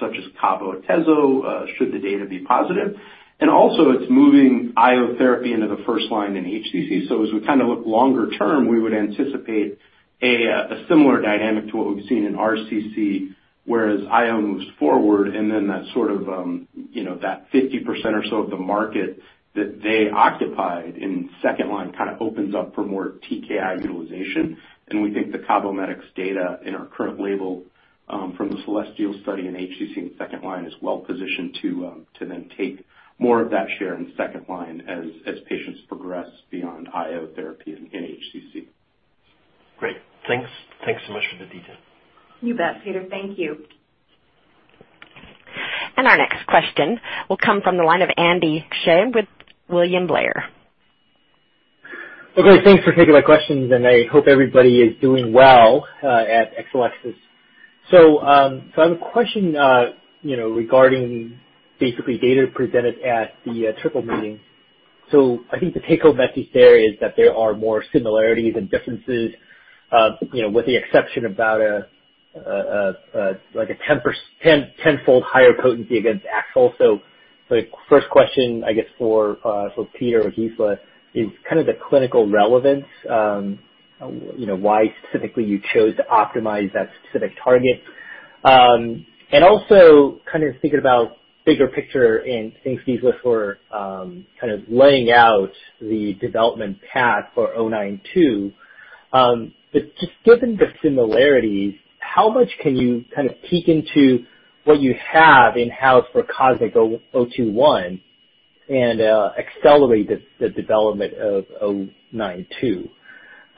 such as Cabo Atezo should the data be positive. And also, it's moving IO therapy into the first line in HCC. So as we kind of look longer term, we would anticipate a similar dynamic to what we've seen in RCC, whereas IO moves forward, and then that sort of that 50% or so of the market that they occupied in second line kind of opens up for more TKI utilization. And we think the Cabometyx data in our current label from the CELESTIAL study in HCC in second line is well positioned to then take more of that share in second line as patients progress beyond IO therapy in HCC. Great. Thanks so much for the detail. You bet, Peter. Thank you. And our next question will come from the line of Andy Hsieh with William Blair. Okay. Thanks for taking my questions, and I hope everybody is doing well at Exelixis. So I have a question regarding basically data presented at the AACR meeting. So I think the take-home message there is that there are more similarities and differences with the exception of about a 10-fold higher potency against AXL. So the first question, I guess, for Peter or Gisela is kind of the clinical relevance, why specifically you chose to optimize that specific target. And also kind of thinking about bigger picture and thanks Gisela for kind of laying out the development path for XL092. But just given the similarities, how much can you kind of peek into what you have in-house for COSMIC-021 and accelerate the development of XL092?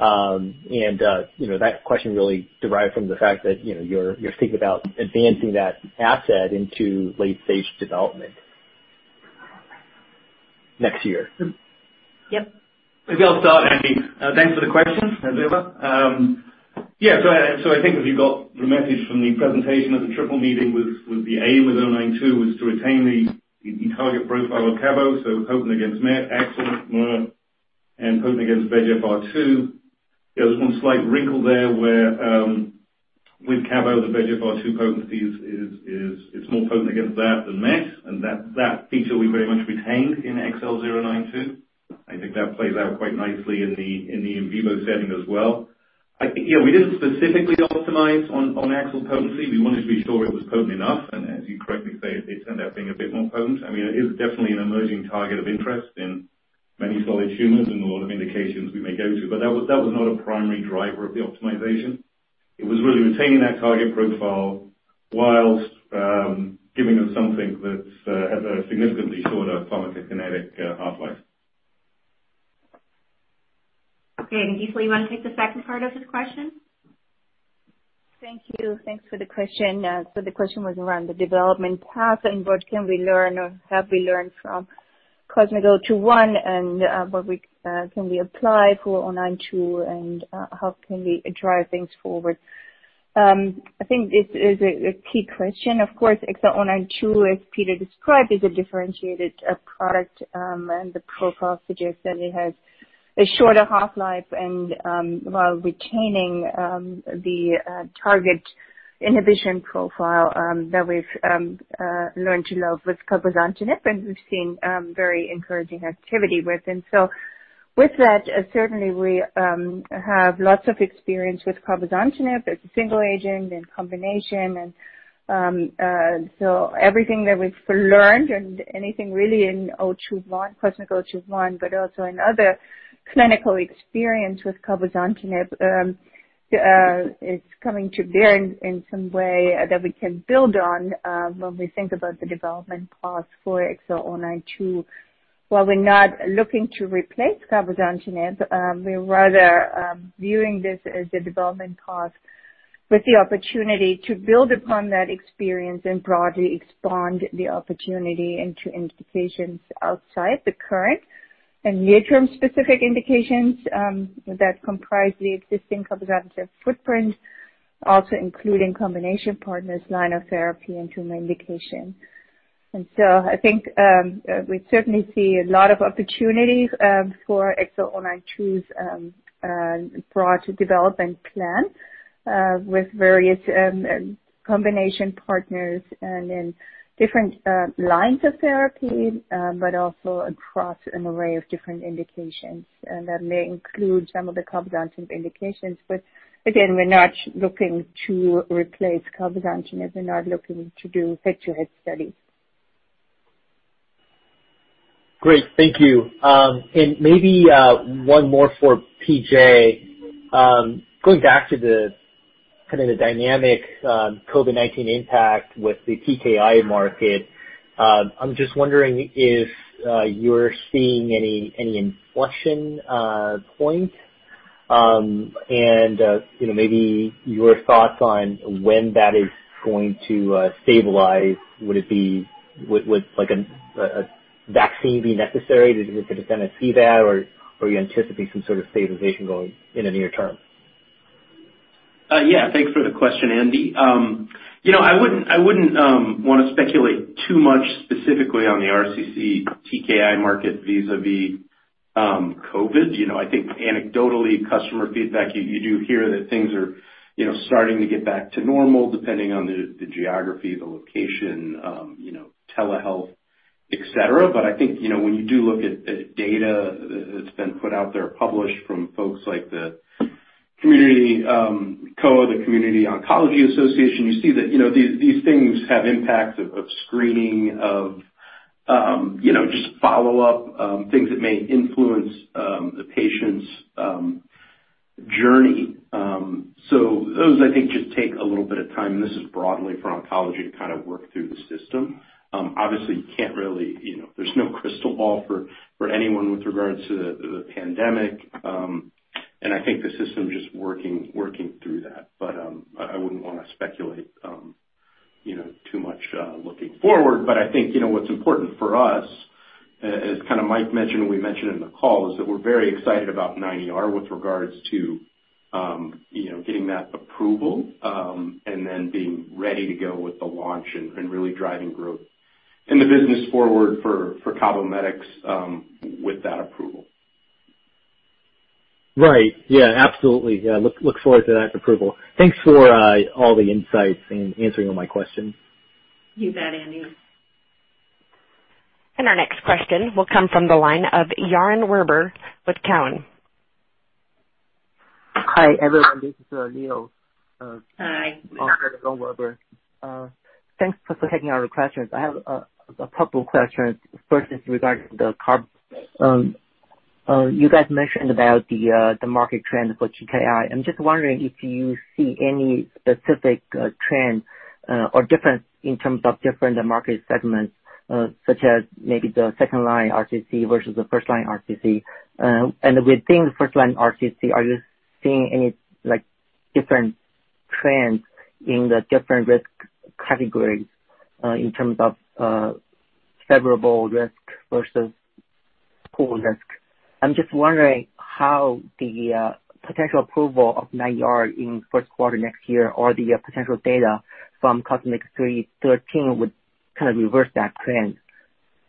And that question really derived from the fact that you're thinking about advancing that asset into late-stage development next year. Yep. I'll start, Andy, thanks for the questions, as ever. Yeah. So I think that you got the message from the presentation of the AACR meeting with the aim with XL092 was to retain the target profile of Cabo, so potent against AXL, MER, and potent against VEGFR2. There was one slight wrinkle there where with Cabo, the VEGFR2 potency is more potent against that than MET, and that feature we very much retained in XL092. I think that plays out quite nicely in the in vivo setting as well. Yeah. We didn't specifically optimize on AXL potency. We wanted to be sure it was potent enough, and as you correctly say, it turned out being a bit more potent. I mean, it is definitely an emerging target of interest in many solid tumors and a lot of indications we may go to. But that was not a primary driver of the optimization. It was really retaining that target profile whilst giving us something that has a significantly shorter pharmacokinetic half-life. Okay. And Gisela, you want to take the second part of this question? Thank you. Thanks for the question. So the question was around the development path and what can we learn or have we learned from COSMIC-021, and what can we apply for XL092, and how can we drive things forward? I think this is a key question. Of course, XL092, as Peter described, is a differentiated product, and the profile suggests that it has a shorter half-life while retaining the target inhibition profile that we've learned to love with cabozantinib, and we've seen very encouraging activity with. And so with that, certainly we have lots of experience with cabozantinib as a single agent and combination. And so everything that we've learned and anything really in COSMIC-021, but also in other clinical experience with cabozantinib is coming to bear in some way that we can build on when we think about the development path for XL092. While we're not looking to replace cabozantinib, we're rather viewing this as a development path with the opportunity to build upon that experience and broadly expand the opportunity into indications outside the current and near-term specific indications that comprise the existing cabozantinib footprint, also including combination partners, line of therapy, and tumor indication, and so I think we certainly see a lot of opportunity for XL092's broad development plan with various combination partners and in different lines of therapy, but also across an array of different indications, and that may include some of the cabozantinib indications, but again, we're not looking to replace cabozantinib. We're not looking to do head-to-head studies. Great. Thank you. And maybe one more for P.J. Going back to kind of the dynamic COVID-19 impact with the TKI market, I'm just wondering if you're seeing any inflection point and maybe your thoughts on when that is going to stabilize. Would a vaccine be necessary? Could a second wave see that, or are you anticipating some sort of stabilization going in the near term? Yeah. Thanks for the question, Andy. I wouldn't want to speculate too much specifically on the RCC TKI market vis-à-vis COVID. I think anecdotally, customer feedback, you do hear that things are starting to get back to normal depending on the geography, the location, telehealth, etc. I think when you do look at data that's been put out there published from folks like the Community Oncology Alliance, the Community Oncology Alliance, you see that these things have impacts of screening, of just follow-up, things that may influence the patient's journey. So those, I think, just take a little bit of time, and this is broadly for oncology to kind of work through the system. Obviously, you can't really. There's no crystal ball for anyone with regards to the pandemic, and I think the system is just working through that. I wouldn't want to speculate too much looking forward. But I think what's important for us, as kind of Mike mentioned and we mentioned in the call, is that we're very excited about 9ER with regards to getting that approval and then being ready to go with the launch and really driving growth in the business forward for Cabometyx with that approval. Right. Yeah. Absolutely. Yeah. Look forward to that approval. Thanks for all the insights and answering all my questions. You bet, Andy. Our next question will come from the line of Yaron Werber with Cowen. Hi, everyone. This is Leo. Hi. For Yaron Werber. Thanks for taking our questions. I have a couple of questions. First, it's regarding the you guys mentioned about the market trend for TKI. I'm just wondering if you see any specific trend or difference in terms of different market segments, such as maybe the second line RCC versus the first line RCC. And within the first line RCC, are you seeing any different trends in the different risk categories in terms of favorable risk versus poor risk? I'm just wondering how the potential approval of 9ER in first quarter next year or the potential data from COSMIC-313 would kind of reverse that trend.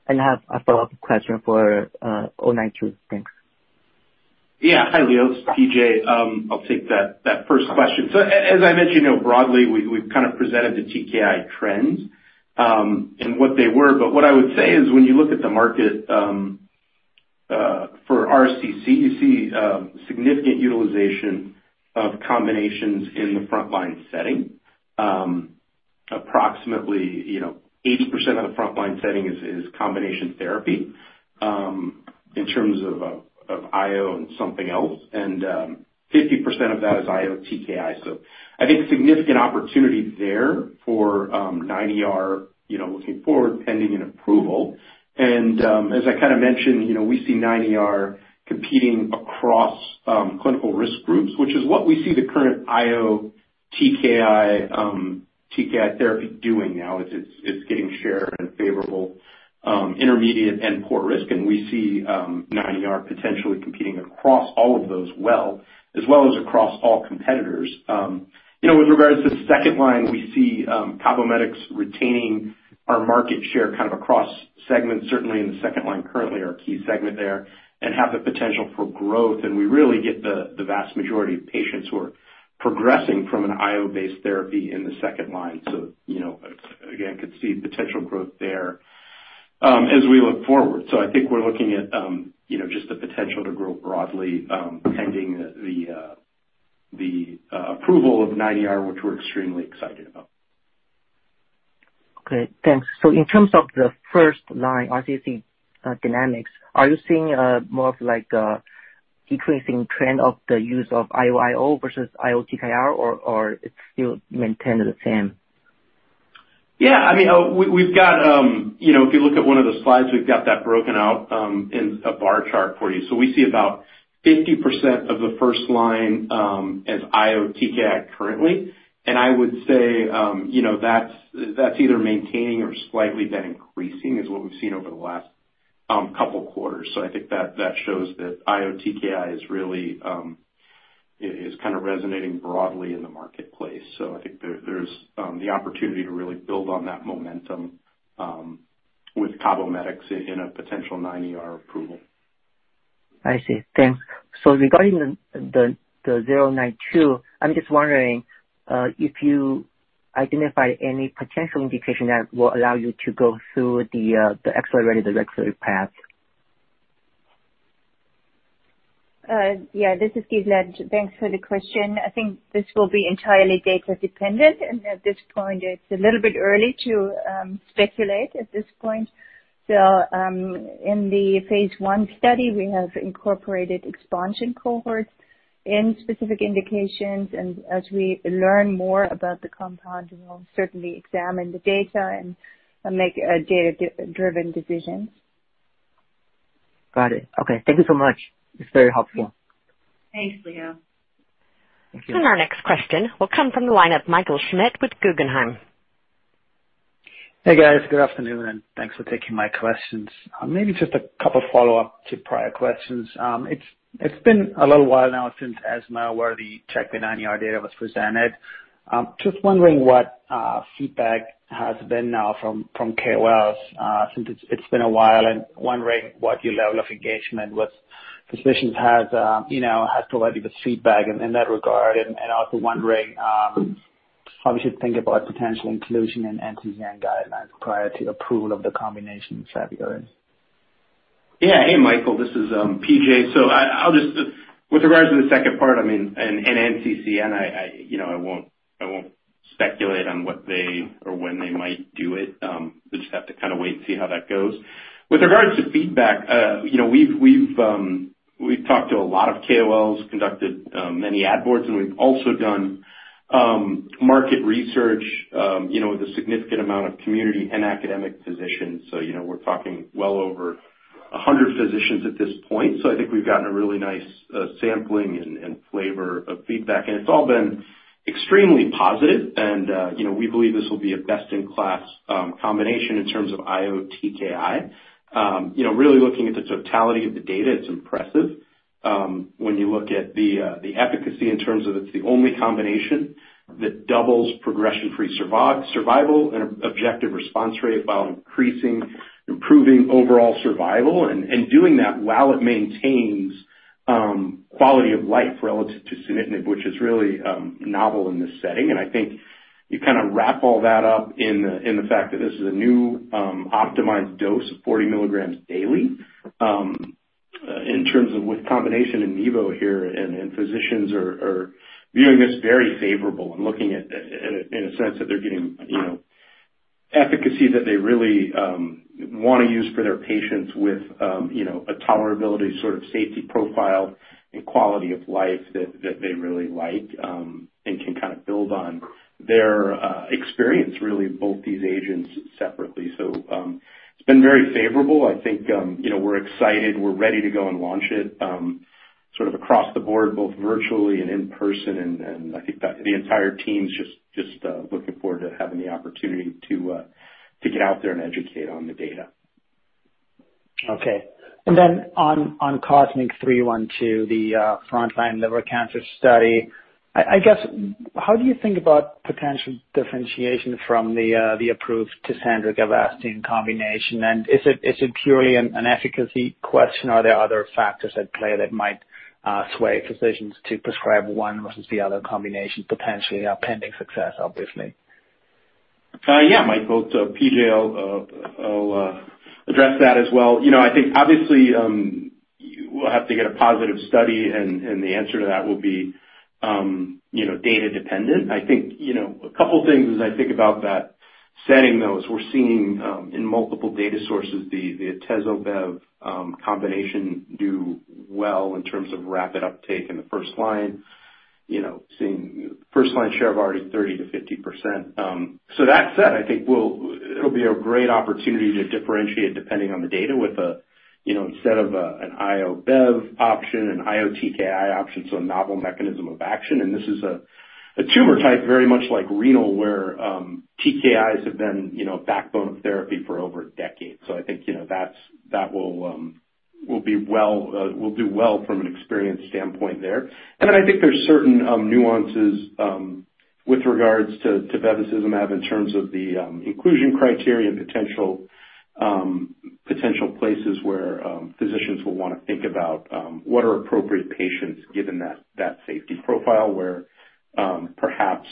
And I have a follow-up question for XL092. Thanks. Yeah. Hi, Leo. This is P.J. I'll take that first question. So as I mentioned, broadly, we've kind of presented the TKI trends and what they were. But what I would say is when you look at the market for RCC, you see significant utilization of combinations in the front line setting. Approximately 80% of the front line setting is combination therapy in terms of IO and something else, and 50% of that is IO TKI. So I think significant opportunity there for 9ER looking forward, pending an approval. And as I kind of mentioned, we see 9ER competing across clinical risk groups, which is what we see the current IO TKI therapy doing now. It's getting share in favorable, intermediate, and poor risk, and we see 9ER potentially competing across all of those well, as well as across all competitors. With regards to the second line, we see Cabometyx retaining our market share kind of across segments, certainly in the second line currently, our key segment there, and have the potential for growth, and we really get the vast majority of patients who are progressing from an IO-based therapy in the second line, so again could see potential growth there as we look forward, so I think we're looking at just the potential to grow broadly, pending the approval of 9ER, which we're extremely excited about. Okay. Thanks. So in terms of the first line RCC dynamics, are you seeing more of a decreasing trend of the use of IO-IO versus IO TKI, or it's still maintained the same? Yeah. I mean, we've got, if you look at one of the slides, we've got that broken out in a bar chart for you. So we see about 50% of the first line as IO TKI currently. And I would say that's either maintaining or slightly been increasing, is what we've seen over the last couple of quarters. So I think that shows that IO TKI is kind of resonating broadly in the marketplace. So I think there's the opportunity to really build on that momentum with Cabometyx in a potential 9ER approval. I see. Thanks. So regarding the 092, I'm just wondering if you identify any potential indication that will allow you to go through the accelerated approval path? Yeah. This is Gisela. Thanks for the question. I think this will be entirely data-dependent, and at this point, it's a little bit early to speculate. In the phase I study, we have incorporated expansion cohorts in specific indications, and as we learn more about the compound, we'll certainly examine the data and make data-driven decisions. Got it. Okay. Thank you so much. It's very helpful. Thanks, Leo. Thank you. Our next question will come from the line of Michael Schmidt with Guggenheim. Hey, guys. Good afternoon, and thanks for taking my questions. Maybe just a couple of follow-ups to prior questions. It's been a little while now since ESMO, where the CheckMate 9ER data was presented. Just wondering what feedback has been now from KOLs since it's been a while, and wondering what your level of engagement with physicians has provided with feedback in that regard, and also wondering how we should think about potential inclusion in NCCN guidelines prior to approval of the combination cabozantinib. Yeah. Hey, Michael. This is P.J. So with regards to the second part, I mean, and NCCN, I won't speculate on what they or when they might do it. We just have to kind of wait and see how that goes. With regards to feedback, we've talked to a lot of KOLs, conducted many ad boards, and we've also done market research with a significant amount of community and academic physicians. So we're talking well over 100 physicians at this point. So I think we've gotten a really nice sampling and flavor of feedback, and it's all been extremely positive. And we believe this will be a best-in-class combination in terms of IO TKI. Really looking at the totality of the data, it's impressive. When you look at the efficacy in terms of it's the only combination that doubles progression-free survival and objective response rate while improving overall survival and doing that while it maintains quality of life relative to sunitinib, which is really novel in this setting, and I think you kind of wrap all that up in the fact that this is a new optimized dose of 40 mg daily in terms of with combination in vivo here, and physicians are viewing this very favorable and looking at it in a sense that they're getting efficacy that they really want to use for their patients with a tolerability sort of safety profile and quality of life that they really like and can kind of build on their experience, really, of both these agents separately, so it's been very favorable. I think we're excited. We're ready to go and launch it sort of across the board, both virtually and in person. And I think the entire team is just looking forward to having the opportunity to get out there and educate on the data. Okay. And then on COSMIC-312, the front line liver cancer study, I guess, how do you think about potential differentiation from the approved Tecentriq-Avastin combination? And is it purely an efficacy question? Are there other factors at play that might sway physicians to prescribe one versus the other combination, potentially pending success, obviously? Yeah, Michael. So P.J., I'll address that as well. I think, obviously, we'll have to get a positive study, and the answer to that will be data-dependent. I think a couple of things as I think about that setting, though, is we're seeing in multiple data sources the atezolizumab-bevacizumab combination do well in terms of rapid uptake in the first line, seeing first-line share of already 30%-50%. So that said, I think it'll be a great opportunity to differentiate depending on the data with instead of an IO-Bev option, an IO-TKI option, so a novel mechanism of action. And this is a tumor type, very much like renal, where TKIs have been a backbone of therapy for over a decade. So I think that will do well from an experience standpoint there. And then I think there's certain nuances with regards to bevacizumab in terms of the inclusion criteria and potential places where physicians will want to think about what are appropriate patients given that safety profile, where perhaps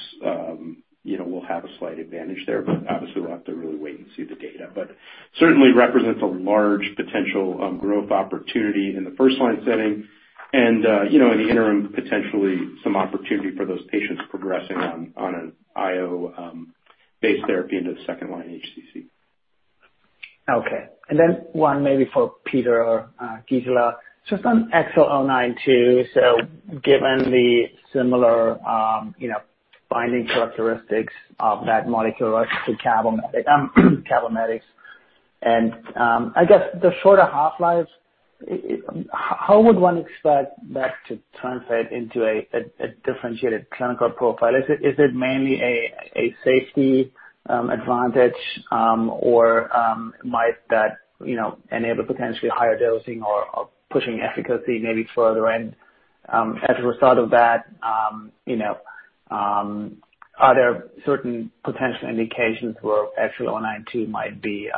we'll have a slight advantage there. But obviously, we'll have to really wait and see the data. But certainly represents a large potential growth opportunity in the first line setting and, in the interim, potentially some opportunity for those patients progressing on an IO-based therapy into the second line HCC. Okay. And then one maybe for Peter or Gisela. Just on XL092, so given the similar binding characteristics of that molecule to Cabometyx, and I guess the shorter half-life, how would one expect that to translate into a differentiated clinical profile? Is it mainly a safety advantage, or might that enable potentially higher dosing or pushing efficacy maybe further? And as a result of that, are there certain potential indications where XL092 might be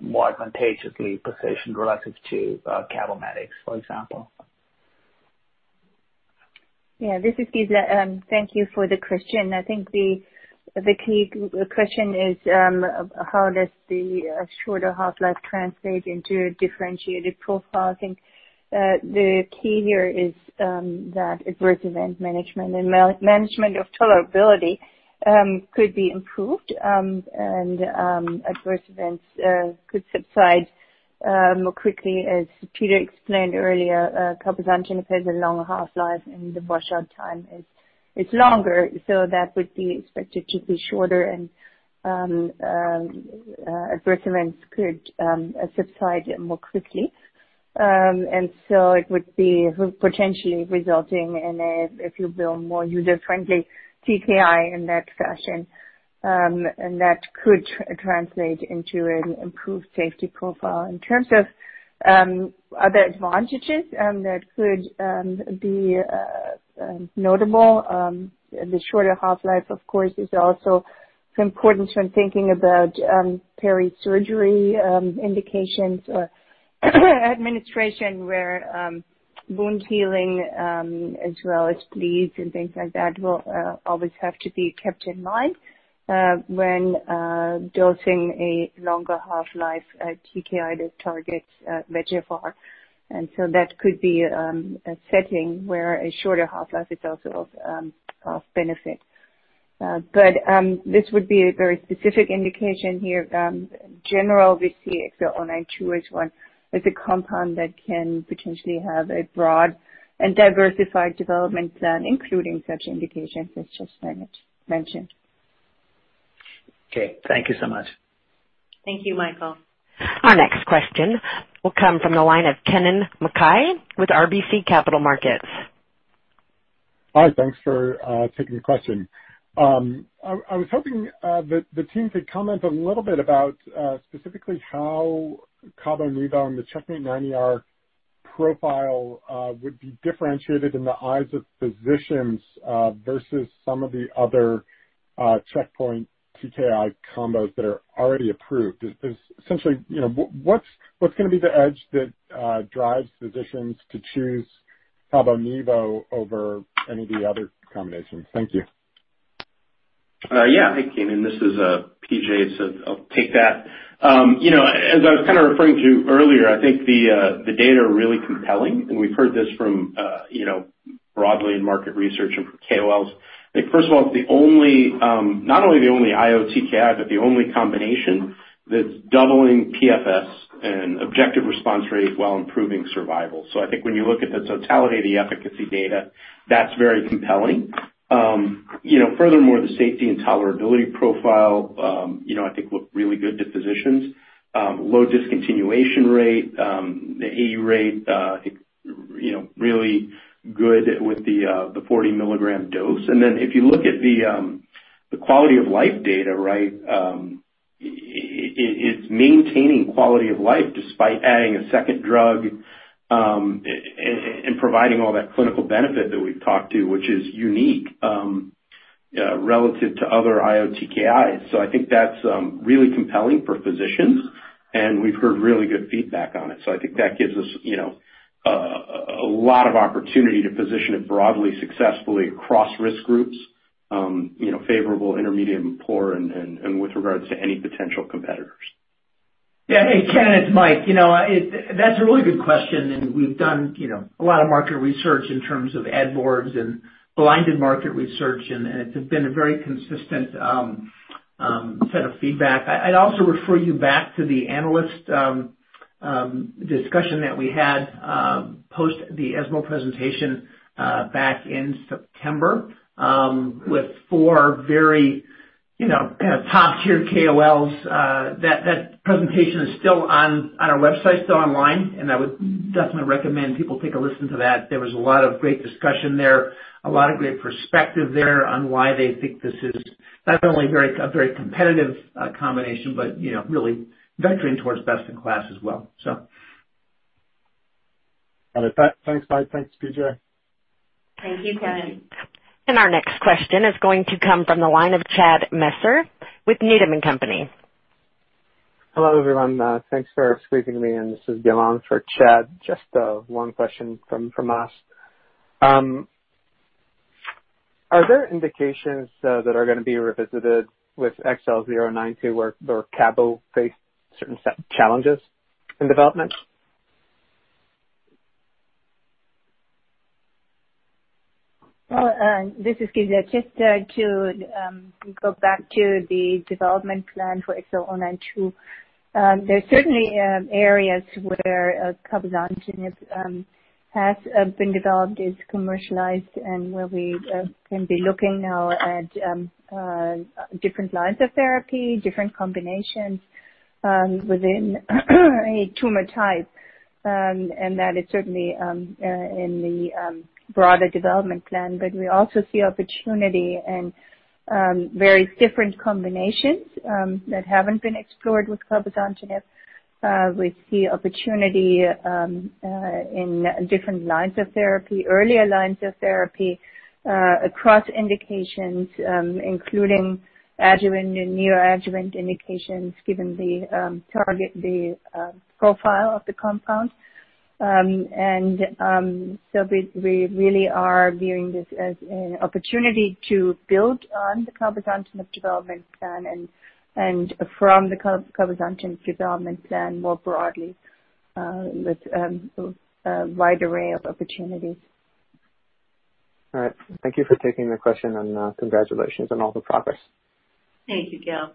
more advantageously positioned relative to Cabometyx, for example? Yeah. This is Gisela. Thank you for the question. I think the key question is, how does the shorter half-life translate into a differentiated profile? I think the key here is that adverse event management and management of tolerability could be improved, and adverse events could subside more quickly. As Peter explained earlier, cabozantinib has a longer half-life, and the washout time is longer. So that would be expected to be shorter, and adverse events could subside more quickly. And so it would be potentially resulting in a, if you will, more user-friendly TKI in that fashion, and that could translate into an improved safety profile. In terms of other advantages that could be notable, the shorter half-life, of course, is also important when thinking about peri-surgery indications or administration, where wound healing as well as bleeds and things like that will always have to be kept in mind when dosing a longer half-life TKI that targets VEGFR. And so that could be a setting where a shorter half-life is also of benefit. But this would be a very specific indication here. In general, we see XL092 as one as a compound that can potentially have a broad and diversified development plan, including such indications as just mentioned. Okay. Thank you so much. Thank you, Michael. Our next question will come from the line of Kennen MacKay with RBC Capital Markets. Hi. Thanks for taking the question. I was hoping the team could comment a little bit about specifically how Cabo-Nivo and the CheckMate 9ER profile would be differentiated in the eyes of physicians versus some of the other checkpoint TKI combos that are already approved. Essentially, what's going to be the edge that drives physicians to choose Cabo-Nivo over any of the other combinations? Thank you. Yeah. Hey, Kenan. This is PJ. So I'll take that. As I was kind of referring to earlier, I think the data are really compelling, and we've heard this from broadly in market research and from KOLs. I think, first of all, it's not only the only IO TKI, but the only combination that's doubling PFS and objective response rate while improving survival. So I think when you look at the totality of the efficacy data, that's very compelling. Furthermore, the safety and tolerability profile, I think, look really good to physicians. Low discontinuation rate, the AUC rate, I think, really good with the 40 mg dose. And then if you look at the quality of life data, right, it's maintaining quality of life despite adding a second drug and providing all that clinical benefit that we've talked about, which is unique relative to other IO TKIs. So I think that's really compelling for physicians, and we've heard really good feedback on it. So I think that gives us a lot of opportunity to position it broadly, successfully across risk groups, favorable, intermediate, and poor, and with regards to any potential competitors. Yeah. Hey, Kenan. It's Mike. That's a really good question, and we've done a lot of market research in terms of ad boards and blinded market research, and it's been a very consistent set of feedback. I'd also refer you back to the analyst discussion that we had post the ESMO presentation back in September with four very kind of top-tier KOLs. That presentation is still on our website, still online, and I would definitely recommend people take a listen to that. There was a lot of great discussion there, a lot of great perspective there on why they think this is not only a very competitive combination, but really vectoring towards best-in-class as well, so. Got it. Thanks, Mike. Thanks, P.J. Thank you, Kenan. Our next question is going to come from the line of Chad Messer with Needham & Company. Hello, everyone. Thanks for squeezing me in. This is Gil Blum for Chad Messer. Just one question from us. Are there indications that are going to be revisited with XL092, where Cabo faced certain challenges in development? This is Gisela. Just to go back to the development plan for XL092, there are certainly areas where cabozantinib has been developed, is commercialized, and where we can be looking now at different lines of therapy, different combinations within a tumor type, and that is certainly in the broader development plan. But we also see opportunity in various different combinations that haven't been explored with cabozantinib. We see opportunity in different lines of therapy, earlier lines of therapy, across indications, including adjuvant and neoadjuvant indications, given the profile of the compound. And so we really are viewing this as an opportunity to build on the cabozantinib development plan and from the cabozantinib development plan more broadly with a wide array of opportunities. All right. Thank you for taking the question, and congratulations on all the progress. Thank you, Gil.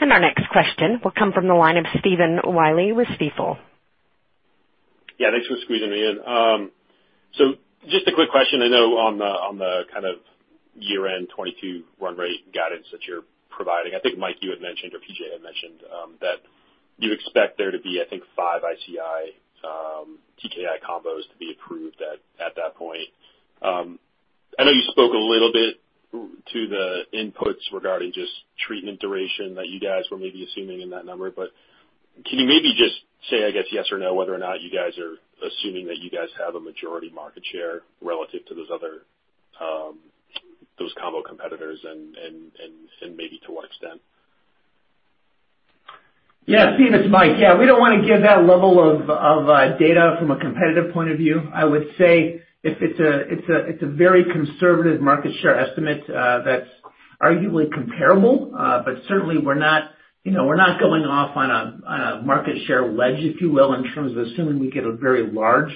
Our next question will come from the line of Stephen Willey with Stifel. Yeah. Thanks for squeezing me in. So just a quick question. I know on the kind of year-end 2022 run rate guidance that you're providing, I think, Mike, you had mentioned, or P.J. had mentioned, that you expect there to be, I think, five ICI TKI combos to be approved at that point. I know you spoke a little bit to the inputs regarding just treatment duration that you guys were maybe assuming in that number, but can you maybe just say, I guess, yes or no whether or not you guys are assuming that you guys have a majority market share relative to those combo competitors and maybe to what extent? Yeah. Stephen, it's Mike. Yeah. We don't want to give that level of data from a competitive point of view. I would say it's a very conservative market share estimate that's arguably comparable, but certainly we're not going off on a market share ledge, if you will, in terms of assuming we get a very large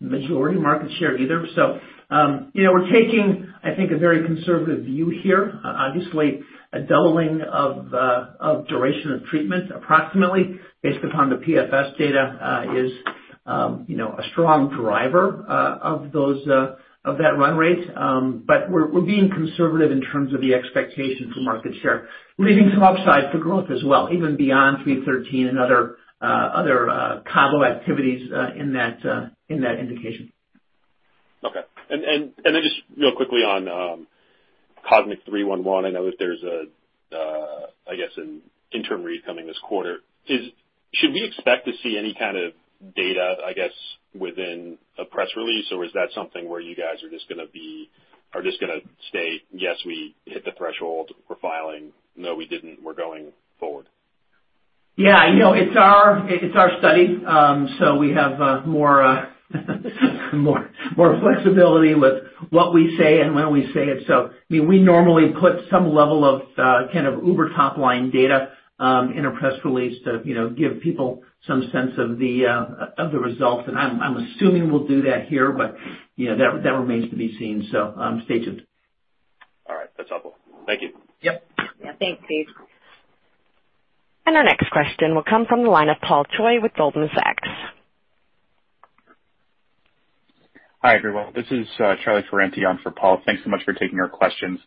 majority market share either. So we're taking, I think, a very conservative view here. Obviously, a doubling of duration of treatment approximately, based upon the PFS data, is a strong driver of that run rate. But we're being conservative in terms of the expectation for market share, leaving some upside for growth as well, even beyond 313 and other Cabo activities in that indication. Okay. And then just real quickly on COSMIC-311, I know that there's a, I guess, an interim read coming this quarter. Should we expect to see any kind of data, I guess, within a press release, or is that something where you guys are just going to state, "Yes, we hit the threshold. We're filing. No, we didn't. We're going forward"? Yeah. I know. It's our study, so we have more flexibility with what we say and when we say it. So I mean, we normally put some level of kind of uber top-line data in a press release to give people some sense of the results. And I'm assuming we'll do that here, but that remains to be seen. So stay tuned. All right. That's helpful. Thank you. Yep. Yeah. Thanks, Steve. And our next question will come from the line of Paul Choi with Goldman Sachs. Hi, everyone. This is Charlie Ferranti on for Paul. Thanks so much for taking our questions.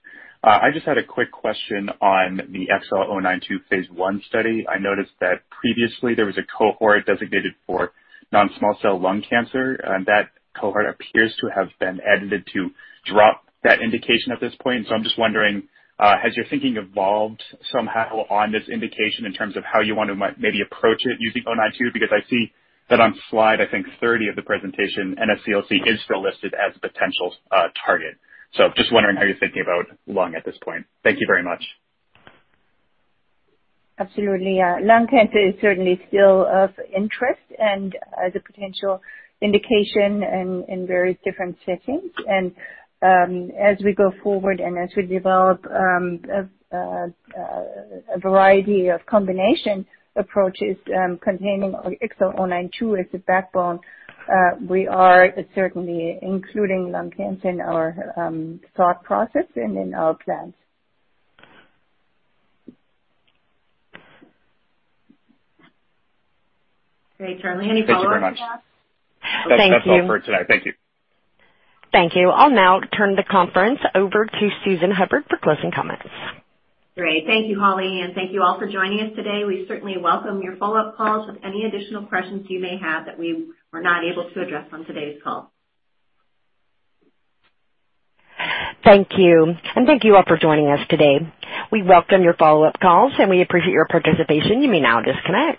I just had a quick question on the XL092 phase I study. I noticed that previously there was a cohort designated for non-small cell lung cancer, and that cohort appears to have been edited to drop that indication at this point. And so I'm just wondering, has your thinking evolved somehow on this indication in terms of how you want to maybe approach it using 092? Because I see that on slide, I think, 30 of the presentation, NSCLC is still listed as a potential target. So just wondering how you're thinking about lung at this point. Thank you very much. Absolutely. Lung cancer is certainly still of interest and as a potential indication in various different settings, and as we go forward and as we develop a variety of combination approaches containing XL092 as a backbone, we are certainly including lung cancer in our thought process and in our plans. Great, Charlie. Any follow-up? Thank you very much. Thank you. That's it for today. Thank you. Thank you. I'll now turn the conference over to Susan Hubbard for closing comments. Great. Thank you, Holly, and thank you all for joining us today. We certainly welcome your follow-up calls with any additional questions you may have that we were not able to address on today's call. Thank you. And thank you all for joining us today. We welcome your follow-up calls, and we appreciate your participation. You may now disconnect.